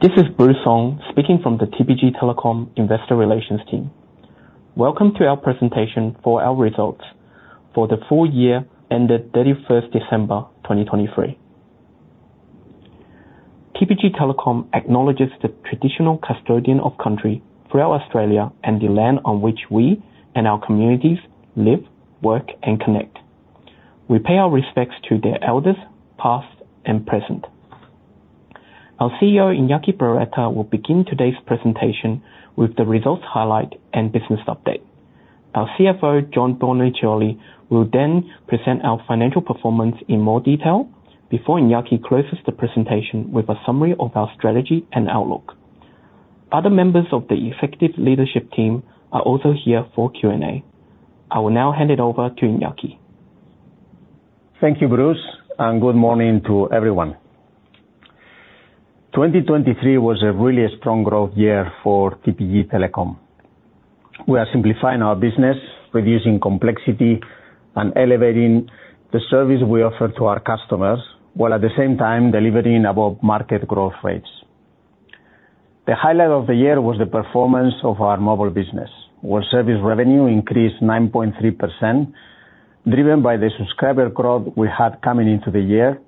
This is Bruce Song speaking from the TPG Telecom Investor Relations team. Welcome to our presentation for our results for the full year ended 31 December 2023. TPG Telecom acknowledges the Traditional Custodian of Country throughout Australia and the land on which we and our communities live, work, and connect. We pay our respects to their elders past and present. Our CEO, Iñaki Berroeta, will begin today's presentation with the results highlight and business update. Our CFO, John Boniciolli, will then present our financial performance in more detail before Iñaki closes the presentation with a summary of our strategy and outlook. Other members of the Executive Leadership team are also here for Q&A. I will now hand it over to Iñaki. Thank you, Bruce, and good morning to everyone. 2023 was a really strong growth year for TPG Telecom. We are simplifying our business, reducing complexity, and elevating the service we offer to our customers while at the same time delivering above-market growth rates. The highlight of the year was the performance of our mobile business, where service revenue increased 9.3% driven by the subscriber growth we had coming into the year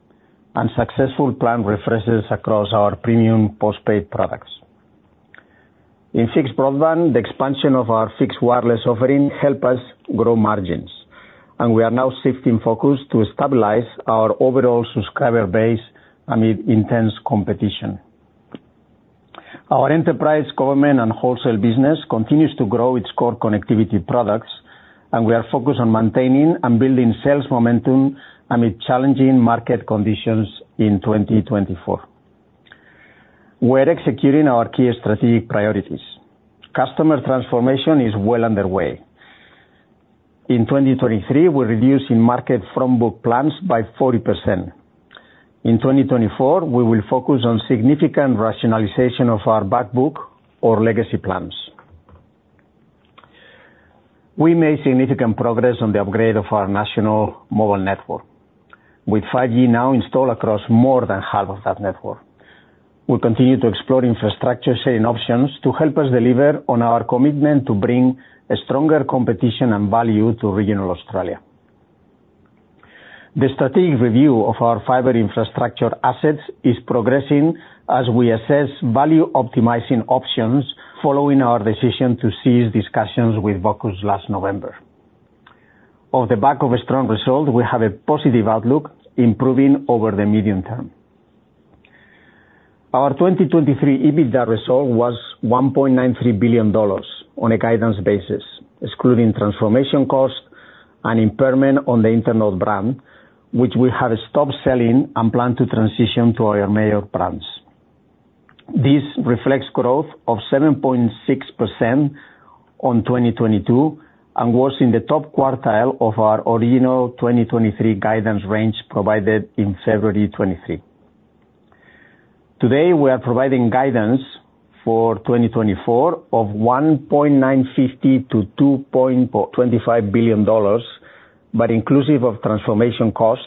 and successful plan refreshes across our premium postpaid products. In Fixed Broadband, the expansion of our fixed wireless offering helped us grow margins, and we are now shifting focus to stabilize our overall subscriber base amid intense competition. Our Enterprise, Government, and Wholesale business continues to grow its core connectivity products, and we are focused on maintaining and building sales momentum amid challenging market conditions in 2024. We are executing our key strategic priorities. Customer transformation is well underway. In 2023, we're reducing market Frontbook plans by 40%. In 2024, we will focus on significant rationalization of our back book or legacy plans. We made significant progress on the upgrade of our national mobile network, with 5G now installed across more than half of that network. We continue to explore infrastructure sharing options to help us deliver on our commitment to bring stronger competition and value to regional Australia. The strategic review of our fiber infrastructure assets is progressing as we assess value optimizing options following our decision to cease discussions with Vocus last November. On the back of a strong result, we have a positive outlook improving over the medium term. Our 2023 EBITDA result was 1.93 billion dollars on a guidance basis, excluding transformation cost and impairment on the Internode brand, which we have stopped selling and plan to transition to our major brands. This reflects growth of 7.6% on 2022 and was in the top quartile of our original 2023 guidance range provided in February 2023. Today, we are providing guidance for 2024 of 1.950 billion-2.25 billion dollars, but inclusive of transformation cost,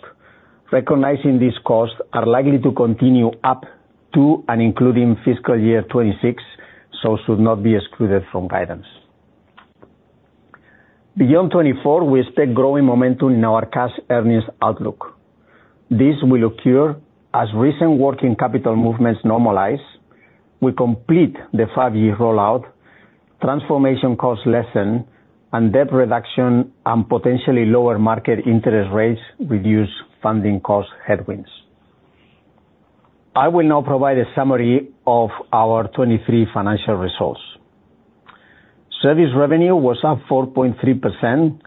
recognizing these costs are likely to continue up to and including fiscal year 2026, so should not be excluded from guidance. Beyond 2024, we expect growing momentum in our cash earnings outlook. This will occur as recent working capital movements normalize, we complete the 5G rollout, transformation costs lessen, and debt reduction and potentially lower market interest rates reduce funding cost headwinds. I will now provide a summary of our 2023 financial results. Service revenue was up 4.3%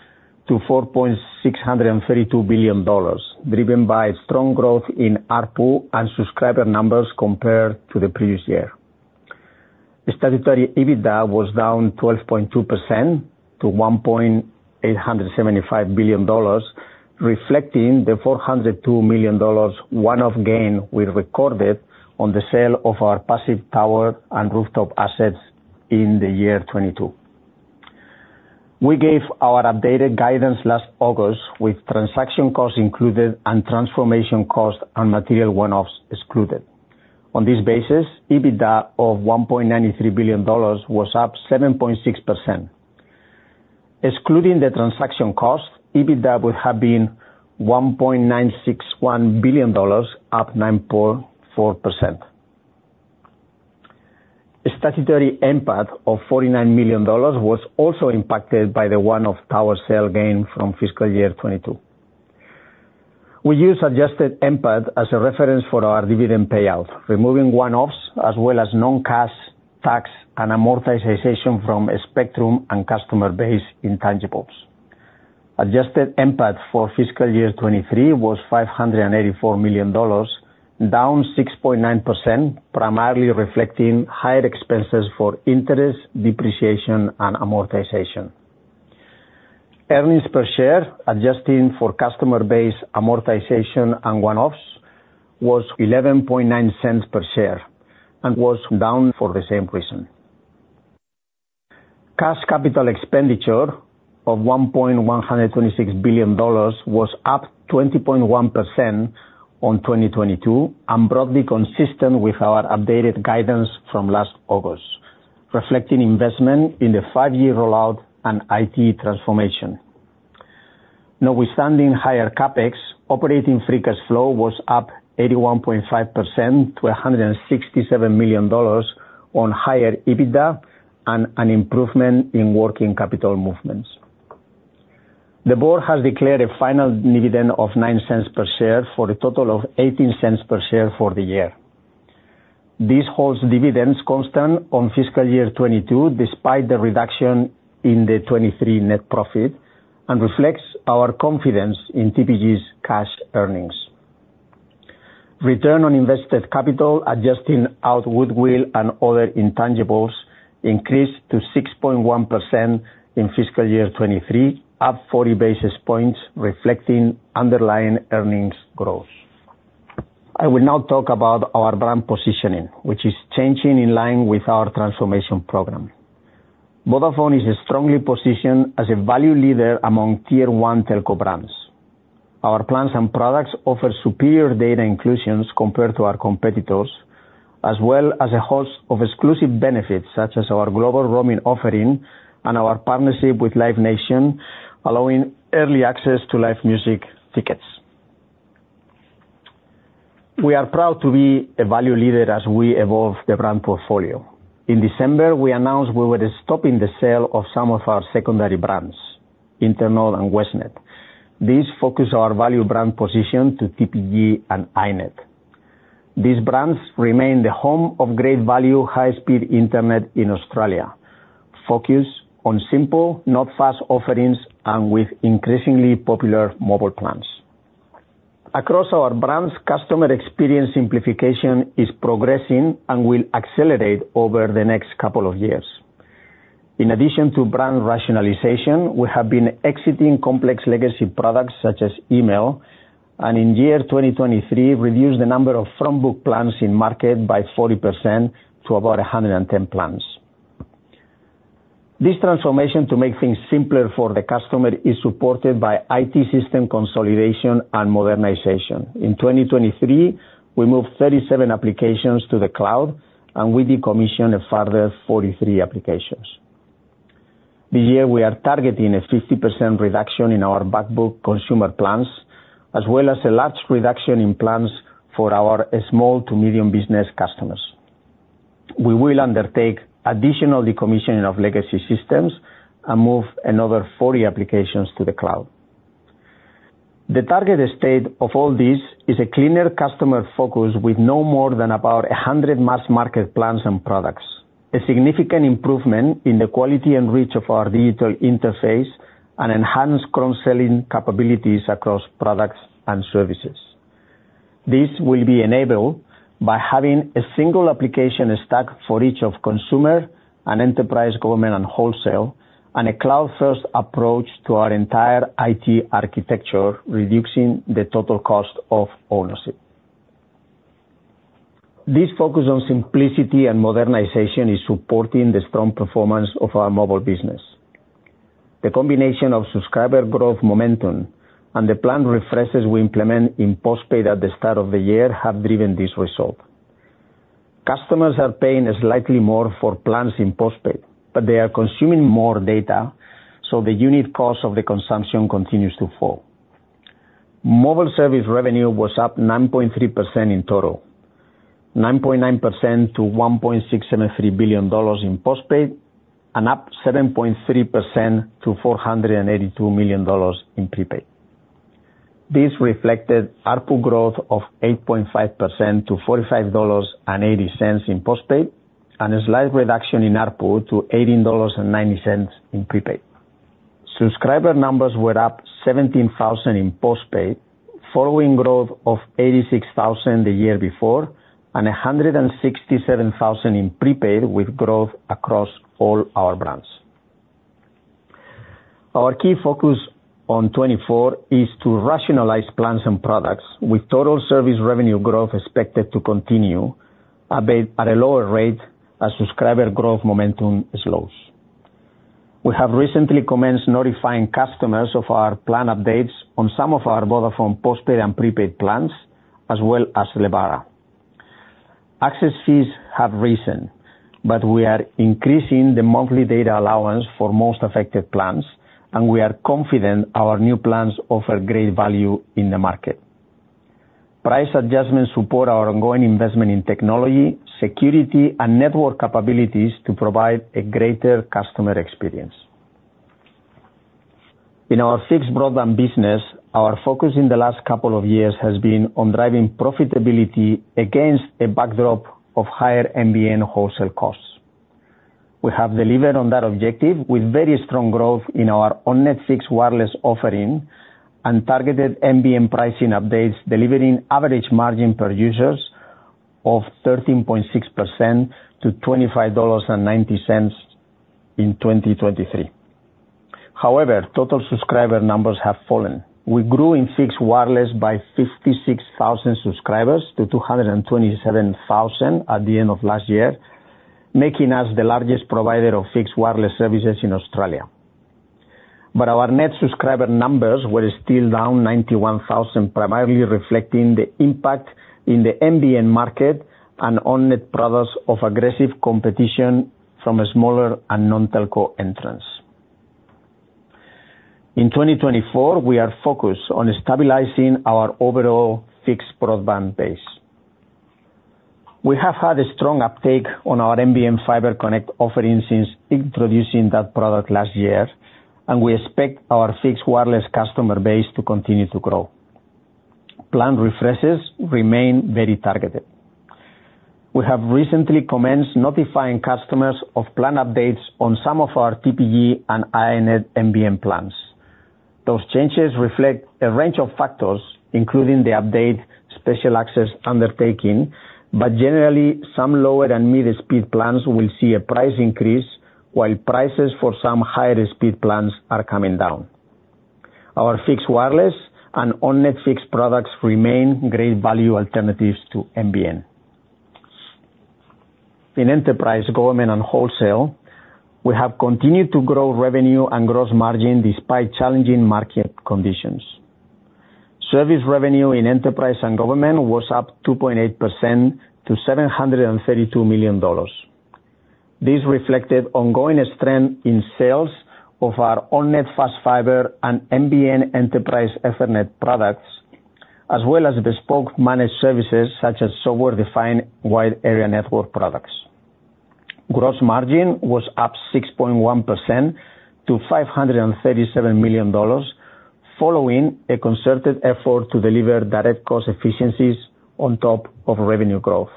to 4.632 billion dollars, driven by strong growth in ARPU and subscriber numbers compared to the previous year. Statutory EBITDA was down 12.2% to 1.875 billion dollars, reflecting the 402 million dollars one-off gain we recorded on the sale of our passive tower and rooftop assets in the year 2022. We gave our updated guidance last August with transaction costs included and transformation cost and material one-offs excluded. On this basis, EBITDA of 1.93 billion dollars was up 7.6%. Excluding the transaction cost, EBITDA would have been 1.961 billion dollars, up 9.4%. Statutory EMPAT of 49 million dollars was also impacted by the one-off tower sale gain from fiscal year 2022. We use adjusted EMPAT as a reference for our dividend payout, removing one-offs as well as non-cash tax and amortization from spectrum and customer base intangibles. Adjusted EMPAT for fiscal year 2023 was 584 million dollars, down 6.9%, primarily reflecting higher expenses for interest, depreciation, and amortization. Earnings per share, adjusting for customer base amortization and one-offs, was 11.9 per share and was down for the same reason. Cash capital expenditure of 1.126 billion dollars was up 20.1% on 2022 and broadly consistent with our updated guidance from last August, reflecting investment in the 5G rollout and IT transformation. Now, notwithstanding higher Capex, operating free cash flow was up 81.5% to 167 million dollars on higher EBITDA and an improvement in working capital movements. The board has declared a final dividend of 0.09 per share for a total of 0.18 per share for the year. This holds dividends constant on fiscal year 2022 despite the reduction in the 2023 net profit and reflects our confidence in TPG's cash earnings. Return on invested capital, adjusting out goodwill and other intangibles, increased to 6.1% in fiscal year 2023, up 40 basis points, reflecting underlying earnings growth. I will now talk about our brand positioning, which is changing in line with our transformation program. Vodafone is strongly positioned as a value leader among tier one telco brands. Our plans and products offer superior data inclusions compared to our competitors, as well as a host of exclusive benefits such as our global roaming offering and our partnership with Live Nation, allowing early access to live music tickets. We are proud to be a value leader as we evolve the brand portfolio. In December, we announced we were stopping the sale of some of our secondary brands, Internode and Westnet. This focused our value brand position to TPG and iiNet. These brands remain the home of great value high-speed internet in Australia, focused on simple, not fast offerings and with increasingly popular mobile plans. Across our brands, customer experience simplification is progressing and will accelerate over the next couple of years. In addition to brand rationalization, we have been exiting complex legacy products such as email and, in year 2023, reduced the number of frontbook plans in market by 40% to about 110 plans. This transformation to make things simpler for the customer is supported by IT system consolidation and modernization. In 2023, we moved 37 applications to the cloud, and we decommissioned a further 43 applications. This year, we are targeting a 50% reduction in our backbook consumer plans, as well as a large reduction in plans for our small to medium business customers. We will undertake additional decommissioning of legacy systems and move another 40 applications to the cloud. The target state of all these is a cleaner customer focus with no more than about 100 mass market plans and products, a significant improvement in the quality and reach of our digital interface, and enhanced cross-selling capabilities across products and services. This will be enabled by having a single application stack for each of consumer and Enterprise, Government, and Wholesale, and a cloud-first approach to our entire IT architecture, reducing the total cost of ownership. This focus on simplicity and modernization is supporting the strong performance of our mobile business. The combination of subscriber growth momentum and the plan refreshes we implement in postpaid at the start of the year have driven this result. Customers are paying slightly more for plans in postpaid, but they are consuming more data, so the unit cost of the consumption continues to fall. Mobile service revenue was up 9.3% in total, 9.9% to 1.673 billion dollars in postpaid, and up 7.3% to 482 million dollars in prepaid. This reflected ARPU growth of 8.5% to 45.80 dollars in postpaid, and a slight reduction in ARPU to 18.90 dollars in prepaid. Subscriber numbers were up 17,000 in postpaid, following growth of 86,000 the year before and 167,000 in prepaid with growth across all our brands. Our key focus on 2024 is to rationalize plans and products, with total service revenue growth expected to continue at a lower rate as subscriber growth momentum slows. We have recently commenced notifying customers of our plan updates on some of our Vodafone postpaid and prepaid plans, as well as Lebara. Access fees have risen, but we are increasing the monthly data allowance for most affected plans, and we are confident our new plans offer great value in the market. Price adjustments support our ongoing investment in technology, security, and network capabilities to provide a greater customer experience. In our fixed broadband business, our focus in the last couple of years has been on driving profitability against a backdrop of higher NBN wholesale costs. We have delivered on that objective with very strong growth in our on-net fixed wireless offering and targeted NBN pricing updates, delivering average margin per user of 13.6% to 25.90 dollars in 2023. However, total subscriber numbers have fallen. We grew in fixed wireless by 56,000 subscribers to 227,000 at the end of last year, making us the largest provider of fixed wireless services in Australia. But our net subscriber numbers were still down 91,000, primarily reflecting the impact in the NBN market and on-net products of aggressive competition from smaller and non-telco entrants. In 2024, we are focused on stabilizing our overall fixed broadband base. We have had a strong uptake on our NBN Fiber Connect offering since introducing that product last year, and we expect our fixed wireless customer base to continue to grow. Plan refreshes remain very targeted. We have recently commenced notifying customers of plan updates on some of our TPG and iiNet NBN plans. Those changes reflect a range of factors, including the updated Special Access Undertaking, but generally, some lower and mid-speed plans will see a price increase, while prices for some higher speed plans are coming down. Our fixed wireless and on-net fixed products remain great value alternatives to NBN. In enterprise, government, and wholesale, we have continued to grow revenue and gross margin despite challenging market conditions. Service revenue in enterprise and government was up 2.8% to 732 million dollars. This reflected ongoing strength in sales of our on-net fast fiber and NBN enterprise Ethernet products, as well as bespoke managed services such as software-defined wide-area network products. Gross margin was up 6.1% to 537 million dollars, following a concerted effort to deliver direct cost efficiencies on top of revenue growth.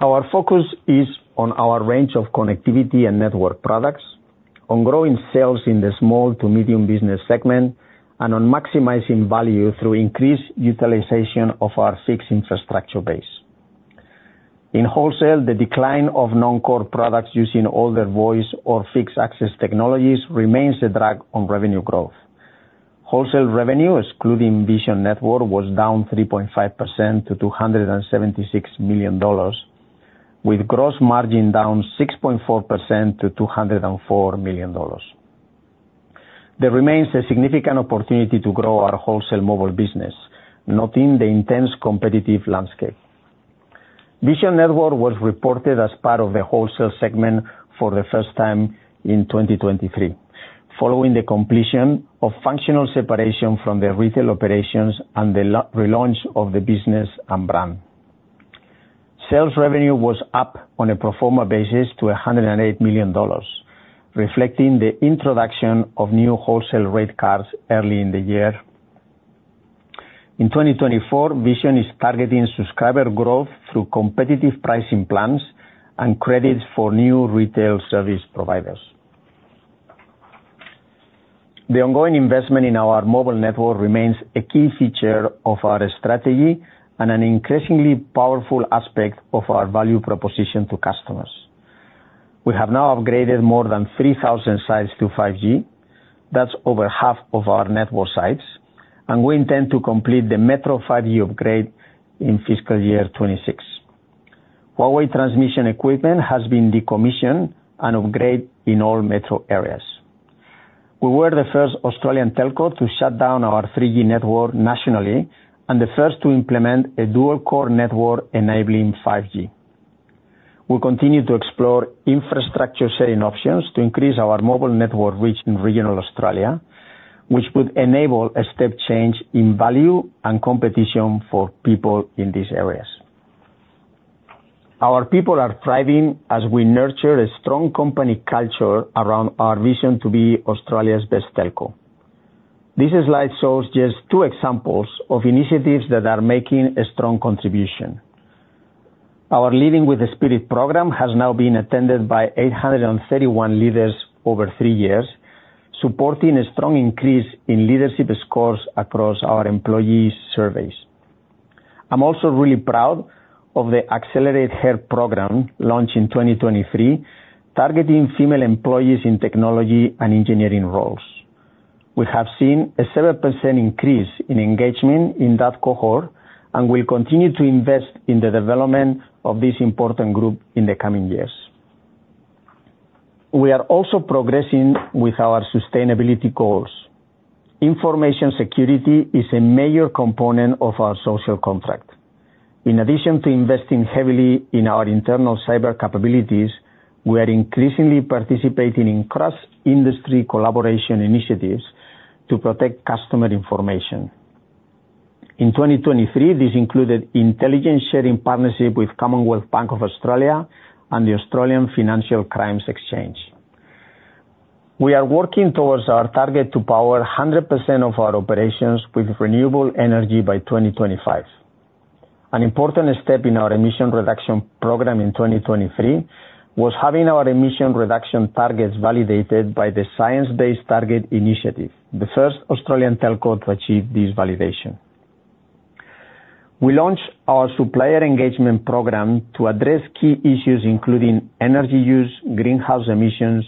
Our focus is on our range of connectivity and network products, on growing sales in the small to medium business segment, and on maximizing value through increased utilization of our fixed infrastructure base. In wholesale, the decline of non-core products using older voice or fixed access technologies remains a drag on revenue growth. Wholesale revenue, excluding Vision Network, was down 3.5% to 276 million dollars, with gross margin down 6.4% to 204 million dollars. There remains a significant opportunity to grow our wholesale mobile business, noting the intense competitive landscape. Vision Network was reported as part of the wholesale segment for the first time in 2023, following the completion of functional separation from the retail operations and the relaunch of the business and brand. Sales revenue was up on a pro forma basis to 108 million dollars, reflecting the introduction of new wholesale rate cards early in the year. In 2024, Vision is targeting subscriber growth through competitive pricing plans and credits for new retail service providers. The ongoing investment in our mobile network remains a key feature of our strategy and an increasingly powerful aspect of our value proposition to customers. We have now upgraded more than 3,000 sites to 5G. That's over half of our network sites, and we intend to complete the Metro 5G upgrade in fiscal year 2026. Huawei transmission equipment has been decommissioned and upgraded in all metro areas. We were the first Australian telco to shut down our 3G network nationally and the first to implement a dual-core network enabling 5G. We continue to explore infrastructure sharing options to increase our mobile network reach in regional Australia, which would enable a step change in value and competition for people in these areas. Our people are thriving as we nurture a strong company culture around our vision to be Australia's best telco. This slide shows just two examples of initiatives that are making a strong contribution. Our Leading with the Spirit program has now been attended by 831 leaders over three years, supporting a strong increase in leadership scores across our employees' surveys. I'm also really proud of the Accelerate Health program, launched in 2023, targeting female employees in technology and engineering roles. We have seen a 7% increase in engagement in that cohort and will continue to invest in the development of this important group in the coming years. We are also progressing with our sustainability goals. Information security is a major component of our social contract. In addition to investing heavily in our internal cyber capabilities, we are increasingly participating in cross-industry collaboration initiatives to protect customer information. In 2023, this included intelligence sharing partnership with Commonwealth Bank of Australia and the Australian Financial Crimes Exchange. We are working towards our target to power 100% of our operations with renewable energy by 2025. An important step in our emission reduction program in 2023 was having our emission reduction targets validated by the Science Based Targets initiative, the first Australian telco to achieve this validation. We launched our supplier engagement program to address key issues including energy use, greenhouse emissions,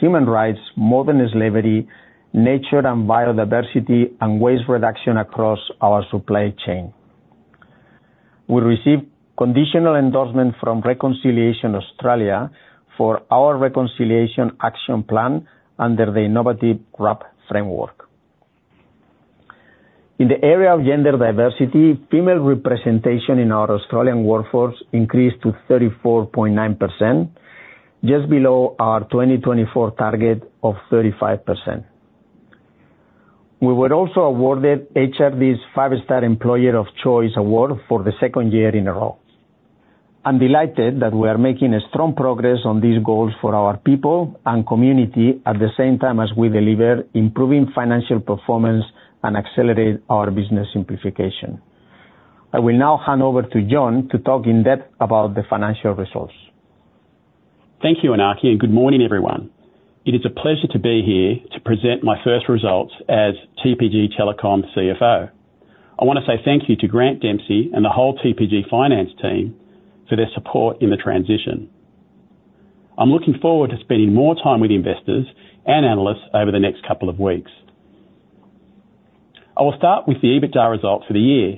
human rights, modern slavery, nature and biodiversity, and waste reduction across our supply chain. We received conditional endorsement from Reconciliation Australia for our Reconciliation Action Plan under the Innovate RAP framework. In the area of gender diversity, female representation in our Australian workforce increased to 34.9%, just below our 2024 target of 35%. We were also awarded HRD's Five Star Employer of Choice Award for the second year in a row. I'm delighted that we are making strong progress on these goals for our people and community at the same time as we deliver improving financial performance and accelerate our business simplification. I will now hand over to John to talk in depth about the financial results. Thank you, Iñaki, and good morning, everyone. It is a pleasure to be here to present my first results as TPG Telecom CFO. I want to say thank you to Grant Dempsey and the whole TPG finance team for their support in the transition. I'm looking forward to spending more time with investors and analysts over the next couple of weeks. I will start with the EBITDA results for the year.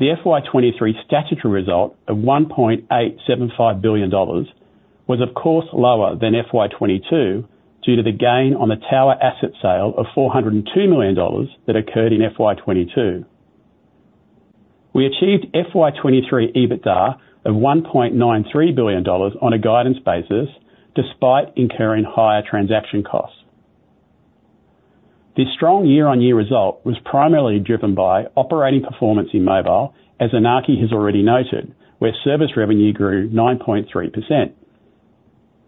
The FY23 statutory result of 1.875 billion dollars was, of course, lower than FY22 due to the gain on the tower asset sale of 402 million dollars that occurred in FY22. We achieved FY23 EBITDA of 1.93 billion dollars on a guidance basis despite incurring higher transaction costs. This strong year-on-year result was primarily driven by operating performance in mobile, as Iñaki has already noted, where service revenue grew 9.3%.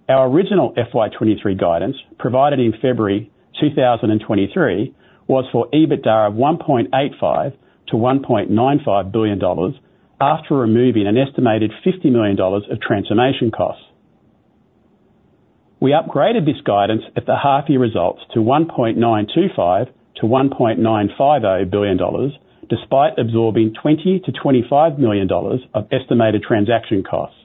Our original FY23 guidance provided in February 2023 was for EBITDA of 1.85 billion-1.95 billion dollars after removing an estimated 50 million dollars of transformation costs. We upgraded this guidance at the half-year results to 1.925 - 1.950 billion despite absorbing 20 million-25 million dollars of estimated transaction costs.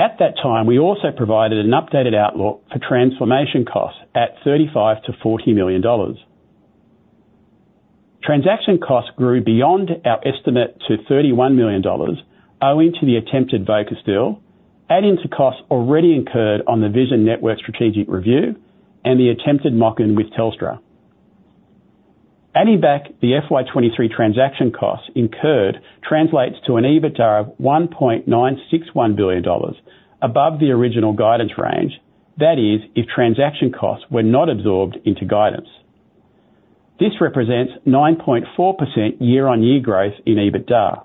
At that time, we also provided an updated outlook for transformation costs at 35 million-40 million dollars. Transaction costs grew beyond our estimate to 31 million dollars owing to the attempted Vocus deal, adding to costs already incurred on the Vision Network strategic review and the attempted MOCN with Telstra. Adding back the FY23 transaction costs incurred translates to an EBITDA of 1.961 billion dollars above the original guidance range, that is, if transaction costs were not absorbed into guidance. This represents 9.4% year-on-year growth in EBITDA.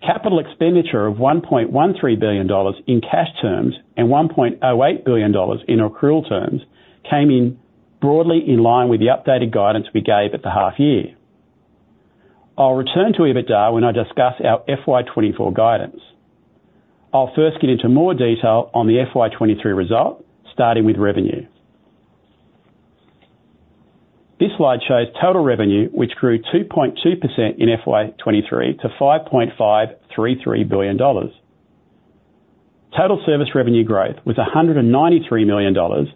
Capital expenditure of 1.13 billion dollars in cash terms and 1.08 billion dollars in accrual terms came broadly in line with the updated guidance we gave at the half-year. I'll return to EBITDA when I discuss our FY24 guidance. I'll first get into more detail on the FY23 result, starting with revenue. This slide shows total revenue, which grew 2.2% in FY23 to AUD 5.533 billion. Total service revenue growth was 193 million dollars,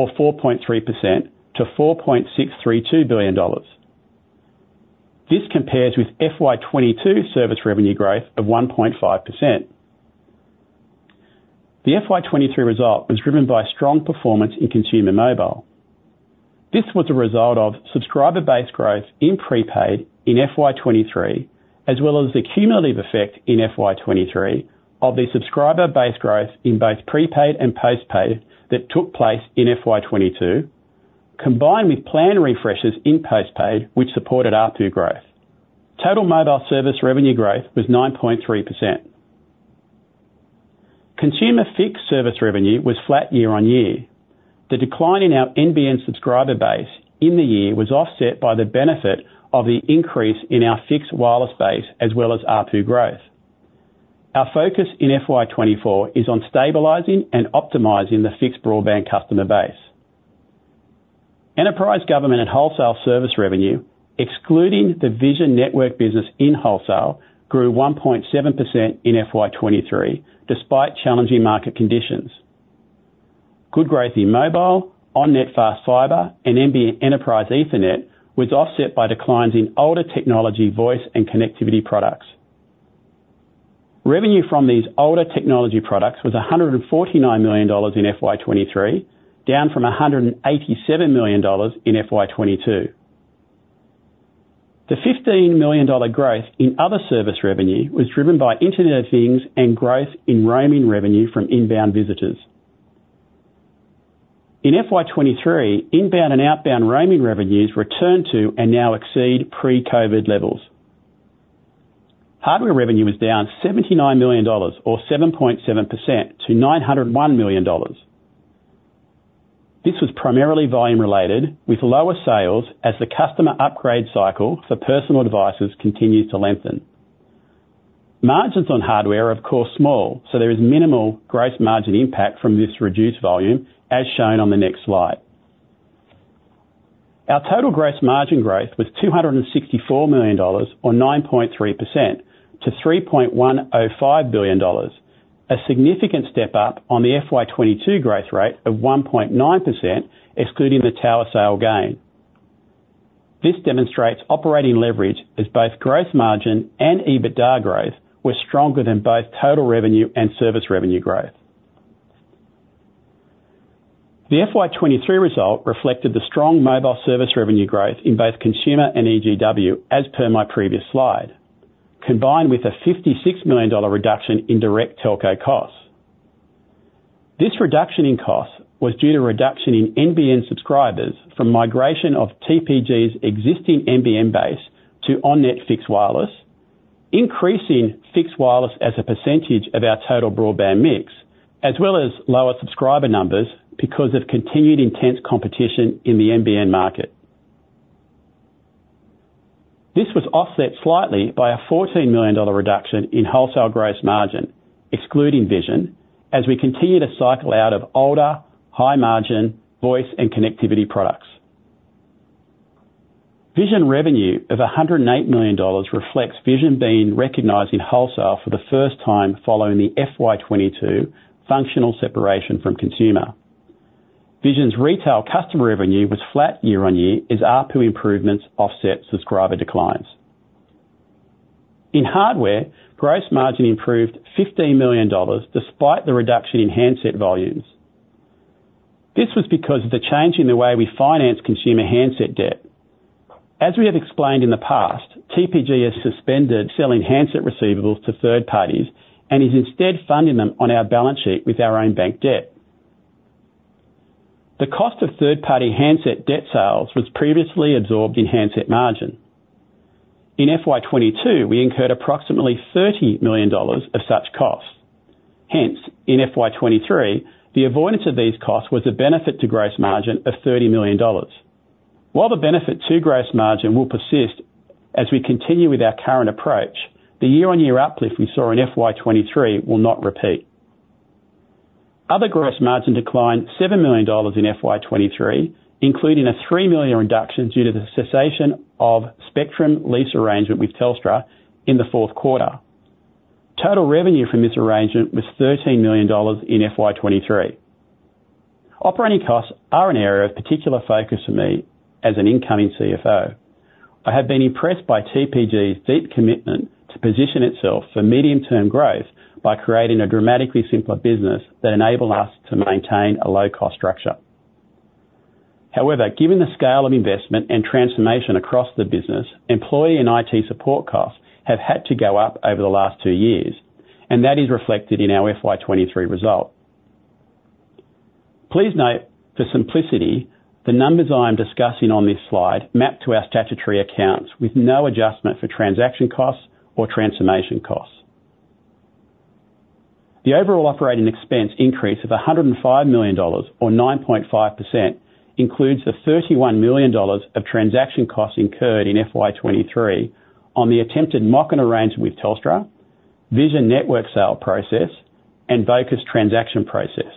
or 4.3%, to 4.632 billion dollars. This compares with FY22 service revenue growth of 1.5%. The FY23 result was driven by strong performance in consumer mobile. This was a result of subscriber-based growth in prepaid in FY23, as well as the cumulative effect in FY23 of the subscriber-based growth in both prepaid and postpaid that took place in FY22, combined with plan refreshes in postpaid, which supported RPU growth. Total mobile service revenue growth was 9.3%. Consumer fixed service revenue was flat year-on-year. The decline in our NBN subscriber base in the year was offset by the benefit of the increase in our fixed wireless base as well as RPU growth. Our focus in FY24 is on stabilizing and optimizing the fixed broadband customer base. Enterprise government and wholesale service revenue, excluding the Vision Network business in wholesale, grew 1.7% in FY23 despite challenging market conditions. Good growth in mobile, on-net fast fiber, and NBN enterprise Ethernet was offset by declines in older technology voice and connectivity products. Revenue from these older technology products was 149 million dollars in FY23, down from 187 million dollars in FY22. The 15 million dollar growth in other service revenue was driven by Internet of Things and growth in roaming revenue from inbound visitors. In FY23, inbound and outbound roaming revenues returned to and now exceed pre-COVID levels. Hardware revenue was down 79 million dollars, or 7.7%, to 901 million dollars. This was primarily volume-related, with lower sales as the customer upgrade cycle for personal devices continues to lengthen. Margins on hardware are, of course, small, so there is minimal gross margin impact from this reduced volume, as shown on the next slide. Our total gross margin growth was 264 million dollars, or 9.3%, to 3.105 billion dollars, a significant step up on the FY22 growth rate of 1.9%, excluding the tower sale gain. This demonstrates operating leverage as both gross margin and EBITDA growth were stronger than both total revenue and service revenue growth. The FY23 result reflected the strong mobile service revenue growth in both consumer and EGW, as per my previous slide, combined with a 56 million dollar reduction in direct telco costs. This reduction in costs was due to reduction in NBN subscribers from migration of TPG's existing NBN base to on-net fixed wireless, increasing fixed wireless as a percentage of our total broadband mix, as well as lower subscriber numbers because of continued intense competition in the NBN market. This was offset slightly by an 14 million dollar reduction in wholesale gross margin, excluding Vision, as we continue to cycle out of older, high-margin voice and connectivity products. Vision revenue of 108 million dollars reflects Vision being recognized in wholesale for the first time following the FY22 functional separation from consumer. Vision's retail customer revenue was flat year-on-year as ARPU improvements offset subscriber declines. In hardware, gross margin improved 15 million dollars despite the reduction in handset volumes. This was because of the change in the way we finance consumer handset debt. As we have explained in the past, TPG has suspended selling handset receivables to third parties and is instead funding them on our balance sheet with our own bank debt. The cost of third-party handset debt sales was previously absorbed in handset margin. In FY22, we incurred approximately 30 million dollars of such costs. Hence, in FY23, the avoidance of these costs was a benefit to gross margin of 30 million dollars. While the benefit to gross margin will persist as we continue with our current approach, the year-on-year uplift we saw in FY23 will not repeat. Other gross margin declined 7 million dollars in FY23, including a 3 million reduction due to the cessation of spectrum lease arrangement with Telstra in the fourth quarter. Total revenue from this arrangement was AUD 13 million in FY23. Operating costs are an area of particular focus for me as an incoming CFO. I have been impressed by TPG's deep commitment to position itself for medium-term growth by creating a dramatically simpler business that enabled us to maintain a low-cost structure. However, given the scale of investment and transformation across the business, employee and IT support costs have had to go up over the last two years, and that is reflected in our FY23 result. Please note, for simplicity, the numbers I am discussing on this slide map to our statutory accounts with no adjustment for transaction costs or transformation costs. The overall operating expense increase of 105 million dollars, or 9.5%, includes the 31 million dollars of transaction costs incurred in FY23 on the attempted mock-in arrangement with Telstra, Vision Network sale process, and VOCA's transaction process.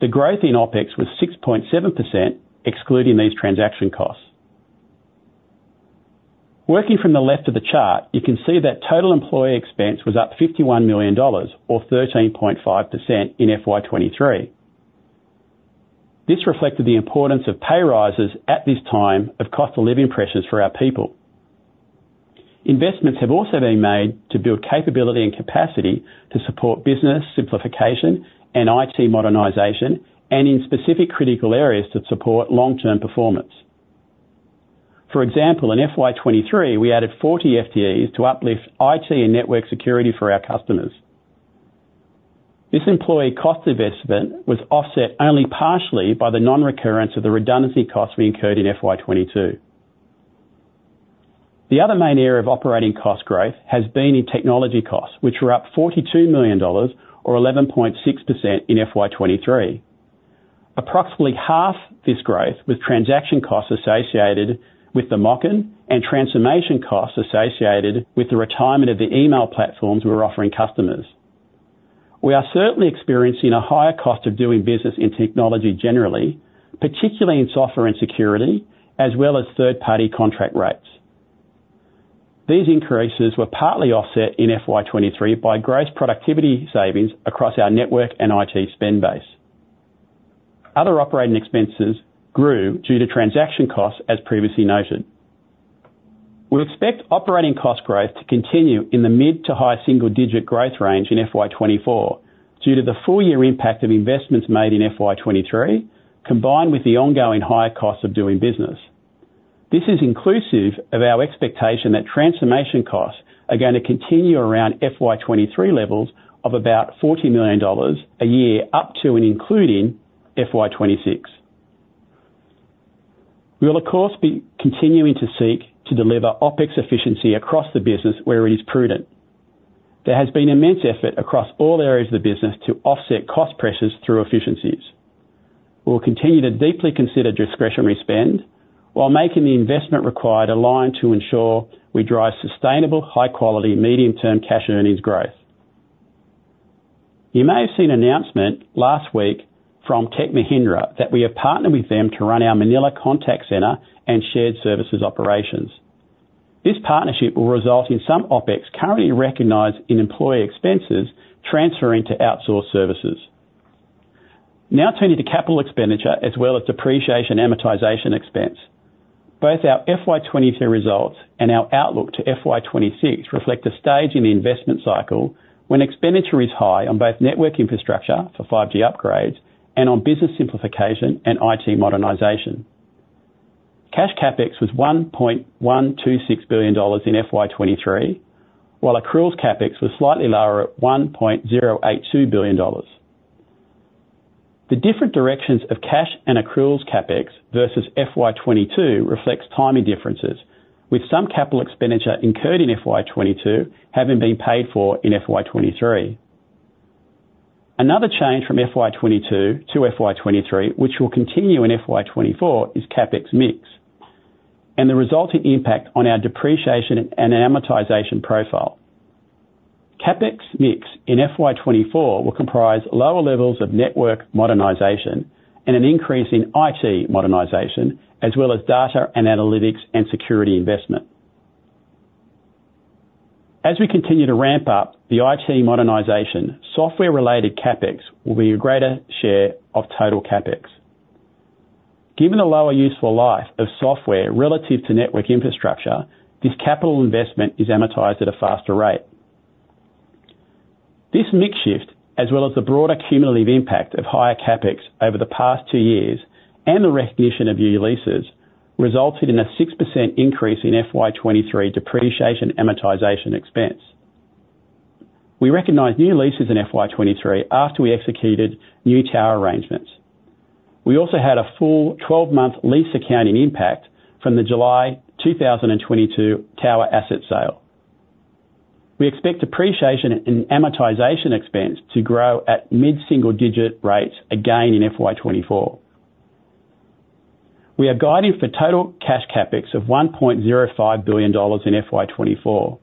The growth in OPEX was 6.7%, excluding these transaction costs. Working from the left of the chart, you can see that total employee expense was up 51 million dollars, or 13.5%, in FY23. This reflected the importance of pay rises at this time of cost-of-living pressures for our people. Investments have also been made to build capability and capacity to support business simplification and IT modernization, and in specific critical areas to support long-term performance. For example, in FY23, we added 40 FTEs to uplift IT and network security for our customers. This employee cost investment was offset only partially by the non-recurrence of the redundancy costs we incurred in FY22. The other main area of operating cost growth has been in technology costs, which were up 42 million dollars, or 11.6%, in FY23. Approximately half this growth was transaction costs associated with the mock-in and transformation costs associated with the retirement of the email platforms we were offering customers. We are certainly experiencing a higher cost of doing business in technology generally, particularly in software and security, as well as third-party contract rates. These increases were partly offset in FY23 by gross productivity savings across our network and IT spend base. Other operating expenses grew due to transaction costs, as previously noted. We expect operating cost growth to continue in the mid to high single-digit growth range in FY24 due to the full-year impact of investments made in FY23, combined with the ongoing higher costs of doing business. This is inclusive of our expectation that transformation costs are going to continue around FY23 levels of about 40 million dollars a year up to and including FY26. We will, of course, be continuing to seek to deliver OPEX efficiency across the business where it is prudent. There has been immense effort across all areas of the business to offset cost pressures through efficiencies. We will continue to deeply consider discretionary spend while making the investment required aligned to ensure we drive sustainable, high-quality, medium-term cash earnings growth. You may have seen an announcement last week from Tech Mahindra that we have partnered with them to run our Manila contact center and shared services operations. This partnership will result in some OPEX currently recognized in employee expenses transferring to outsourced services. Now turning to capital expenditure as well as depreciation amortization expense, both our FY23 results and our outlook to FY26 reflect a stage in the investment cycle when expenditure is high on both network infrastructure for 5G upgrades and on business simplification and IT modernization. Cash CapEx was 1.126 billion dollars in FY23, while accruals CapEx was slightly lower at 1.082 billion dollars. The different directions of cash and accruals CapEx versus FY22 reflects timing differences, with some capital expenditure incurred in FY22 having been paid for in FY23. Another change from FY22 to FY23, which will continue in FY24, is CapEx mix and the resulting impact on our depreciation and amortization profile. CapEx mix in FY24 will comprise lower levels of network modernization and an increase in IT modernization, as well as data and analytics and security investment. As we continue to ramp up the IT modernization, software-related CapEx will be a greater share of total CapEx. Given the lower useful life of software relative to network infrastructure, this capital investment is amortized at a faster rate. This mix shift, as well as the broader cumulative impact of higher CapEx over the past two years and the recognition of new leases, resulted in a 6% increase in FY23 depreciation amortization expense. We recognized new leases in FY23 after we executed new tower arrangements. We also had a full 12-month lease accounting impact from the July 2022 tower asset sale. We expect depreciation and amortization expense to grow at mid-single-digit rates again in FY24. We are guiding for total cash CapEx of 1.05 billion dollars in FY24.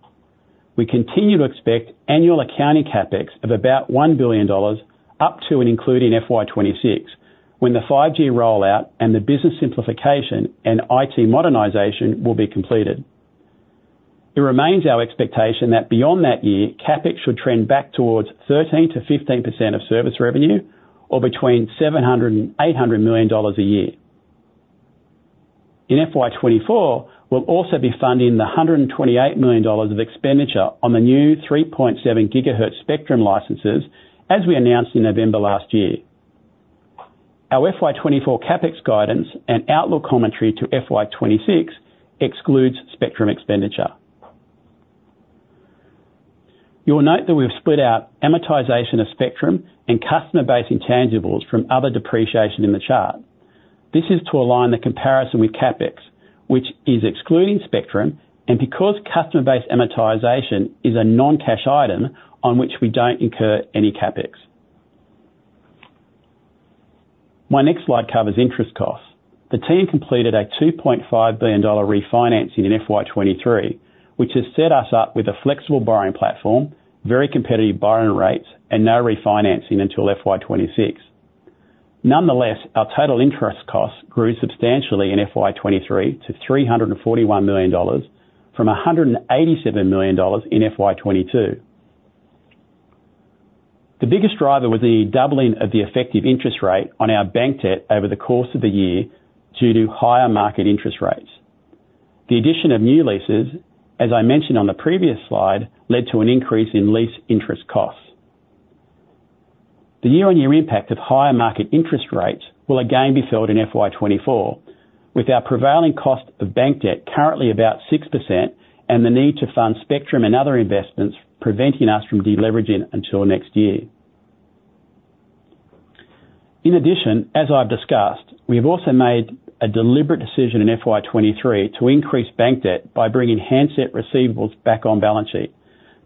We continue to expect annual accounting CapEx of about 1 billion dollars up to and including FY26 when the 5G rollout and the business simplification and IT modernization will be completed. It remains our expectation that beyond that year, CapEx should trend back towards 13%-15% of service revenue or between 700 million dollars and AUD 800 million a year. In FY24, we'll also be funding the 128 million dollars of expenditure on the new 3.7 gigahertz spectrum licenses as we announced in November last year. Our FY24 CapEx guidance and outlook commentary to FY26 excludes spectrum expenditure. You'll note that we've split out amortization of spectrum and customer-based intangibles from other depreciation in the chart. This is to align the comparison with CapEx, which is excluding spectrum and because customer-based amortization is a non-cash item on which we don't incur any CapEx. My next slide covers interest costs. The team completed a 2.5 billion dollar refinancing in FY23, which has set us up with a flexible borrowing platform, very competitive borrowing rates, and no refinancing until FY26. Nonetheless, our total interest costs grew substantially in FY23 to AUD 341 million from AUD 187 million in FY22. The biggest driver was the doubling of the effective interest rate on our bank debt over the course of the year due to higher market interest rates. The addition of new leases, as I mentioned on the previous slide, led to an increase in lease interest costs. The year-on-year impact of higher market interest rates will again be felt in FY24 with our prevailing cost of bank debt currently about 6% and the need to fund spectrum and other investments preventing us from deleveraging until next year. In addition, as I've discussed, we have also made a deliberate decision in FY23 to increase bank debt by bringing handset receivables back on balance sheet,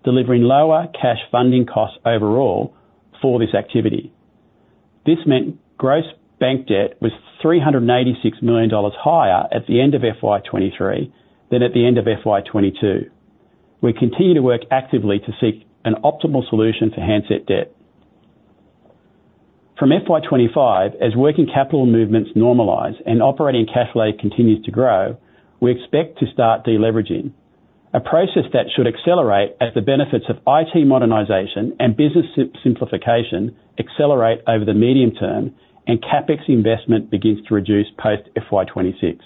delivering lower cash funding costs overall for this activity. This meant gross bank debt was 386 million dollars higher at the end of FY23 than at the end of FY22. We continue to work actively to seek an optimal solution for handset debt. From FY25, as working capital movements normalize and operating cash flow continues to grow, we expect to start deleveraging, a process that should accelerate as the benefits of IT modernization and business simplification accelerate over the medium term and Capex investment begins to reduce post-FY26.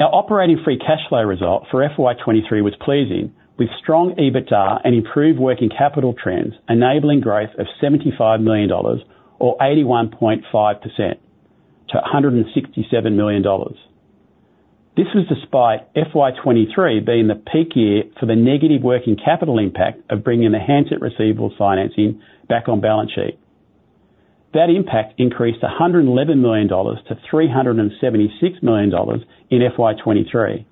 Our operating free cash flow result for FY23 was pleasing with strong EBITDA and improved working capital trends enabling growth of 75 million dollars, or 81.5%, to 167 million dollars. This was despite FY23 being the peak year for the negative working capital impact of bringing the handset receivables financing back on balance sheet. That impact increased 111 million dollars to 376 million dollars in FY23.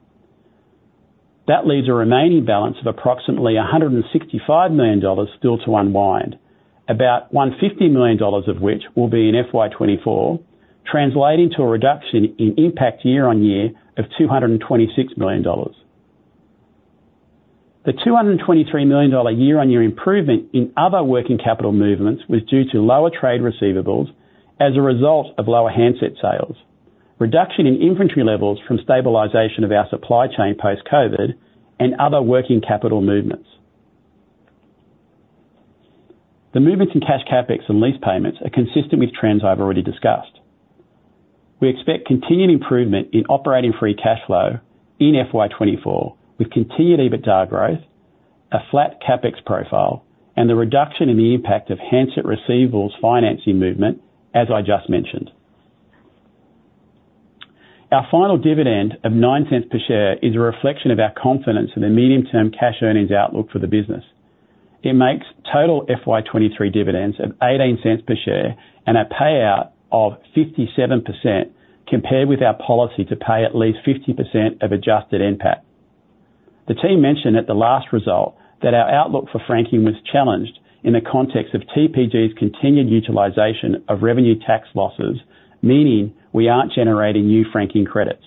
That leaves a remaining balance of approximately 165 million dollars still to unwind, about 150 million dollars of which will be in FY24, translating to a reduction in impact year-on-year of 226 million dollars. The 223 million dollar year-on-year improvement in other working capital movements was due to lower trade receivables as a result of lower handset sales, reduction in inventory levels from stabilization of our supply chain post-COVID, and other working capital movements. The movements in cash Capex and lease payments are consistent with trends I've already discussed. We expect continued improvement in operating free cash flow in FY24 with continued EBITDA growth, a flat Capex profile, and the reduction in the impact of handset receivables financing movement, as I just mentioned. Our final dividend of 0.09 per share is a reflection of our confidence in the medium-term cash earnings outlook for the business. It makes total FY23 dividends of 0.18 per share and a payout of 57% compared with our policy to pay at least 50% of adjusted NPAT. The team mentioned at the last result that our outlook for franking was challenged in the context of TPG's continued utilization of revenue tax losses, meaning we aren't generating new franking credits.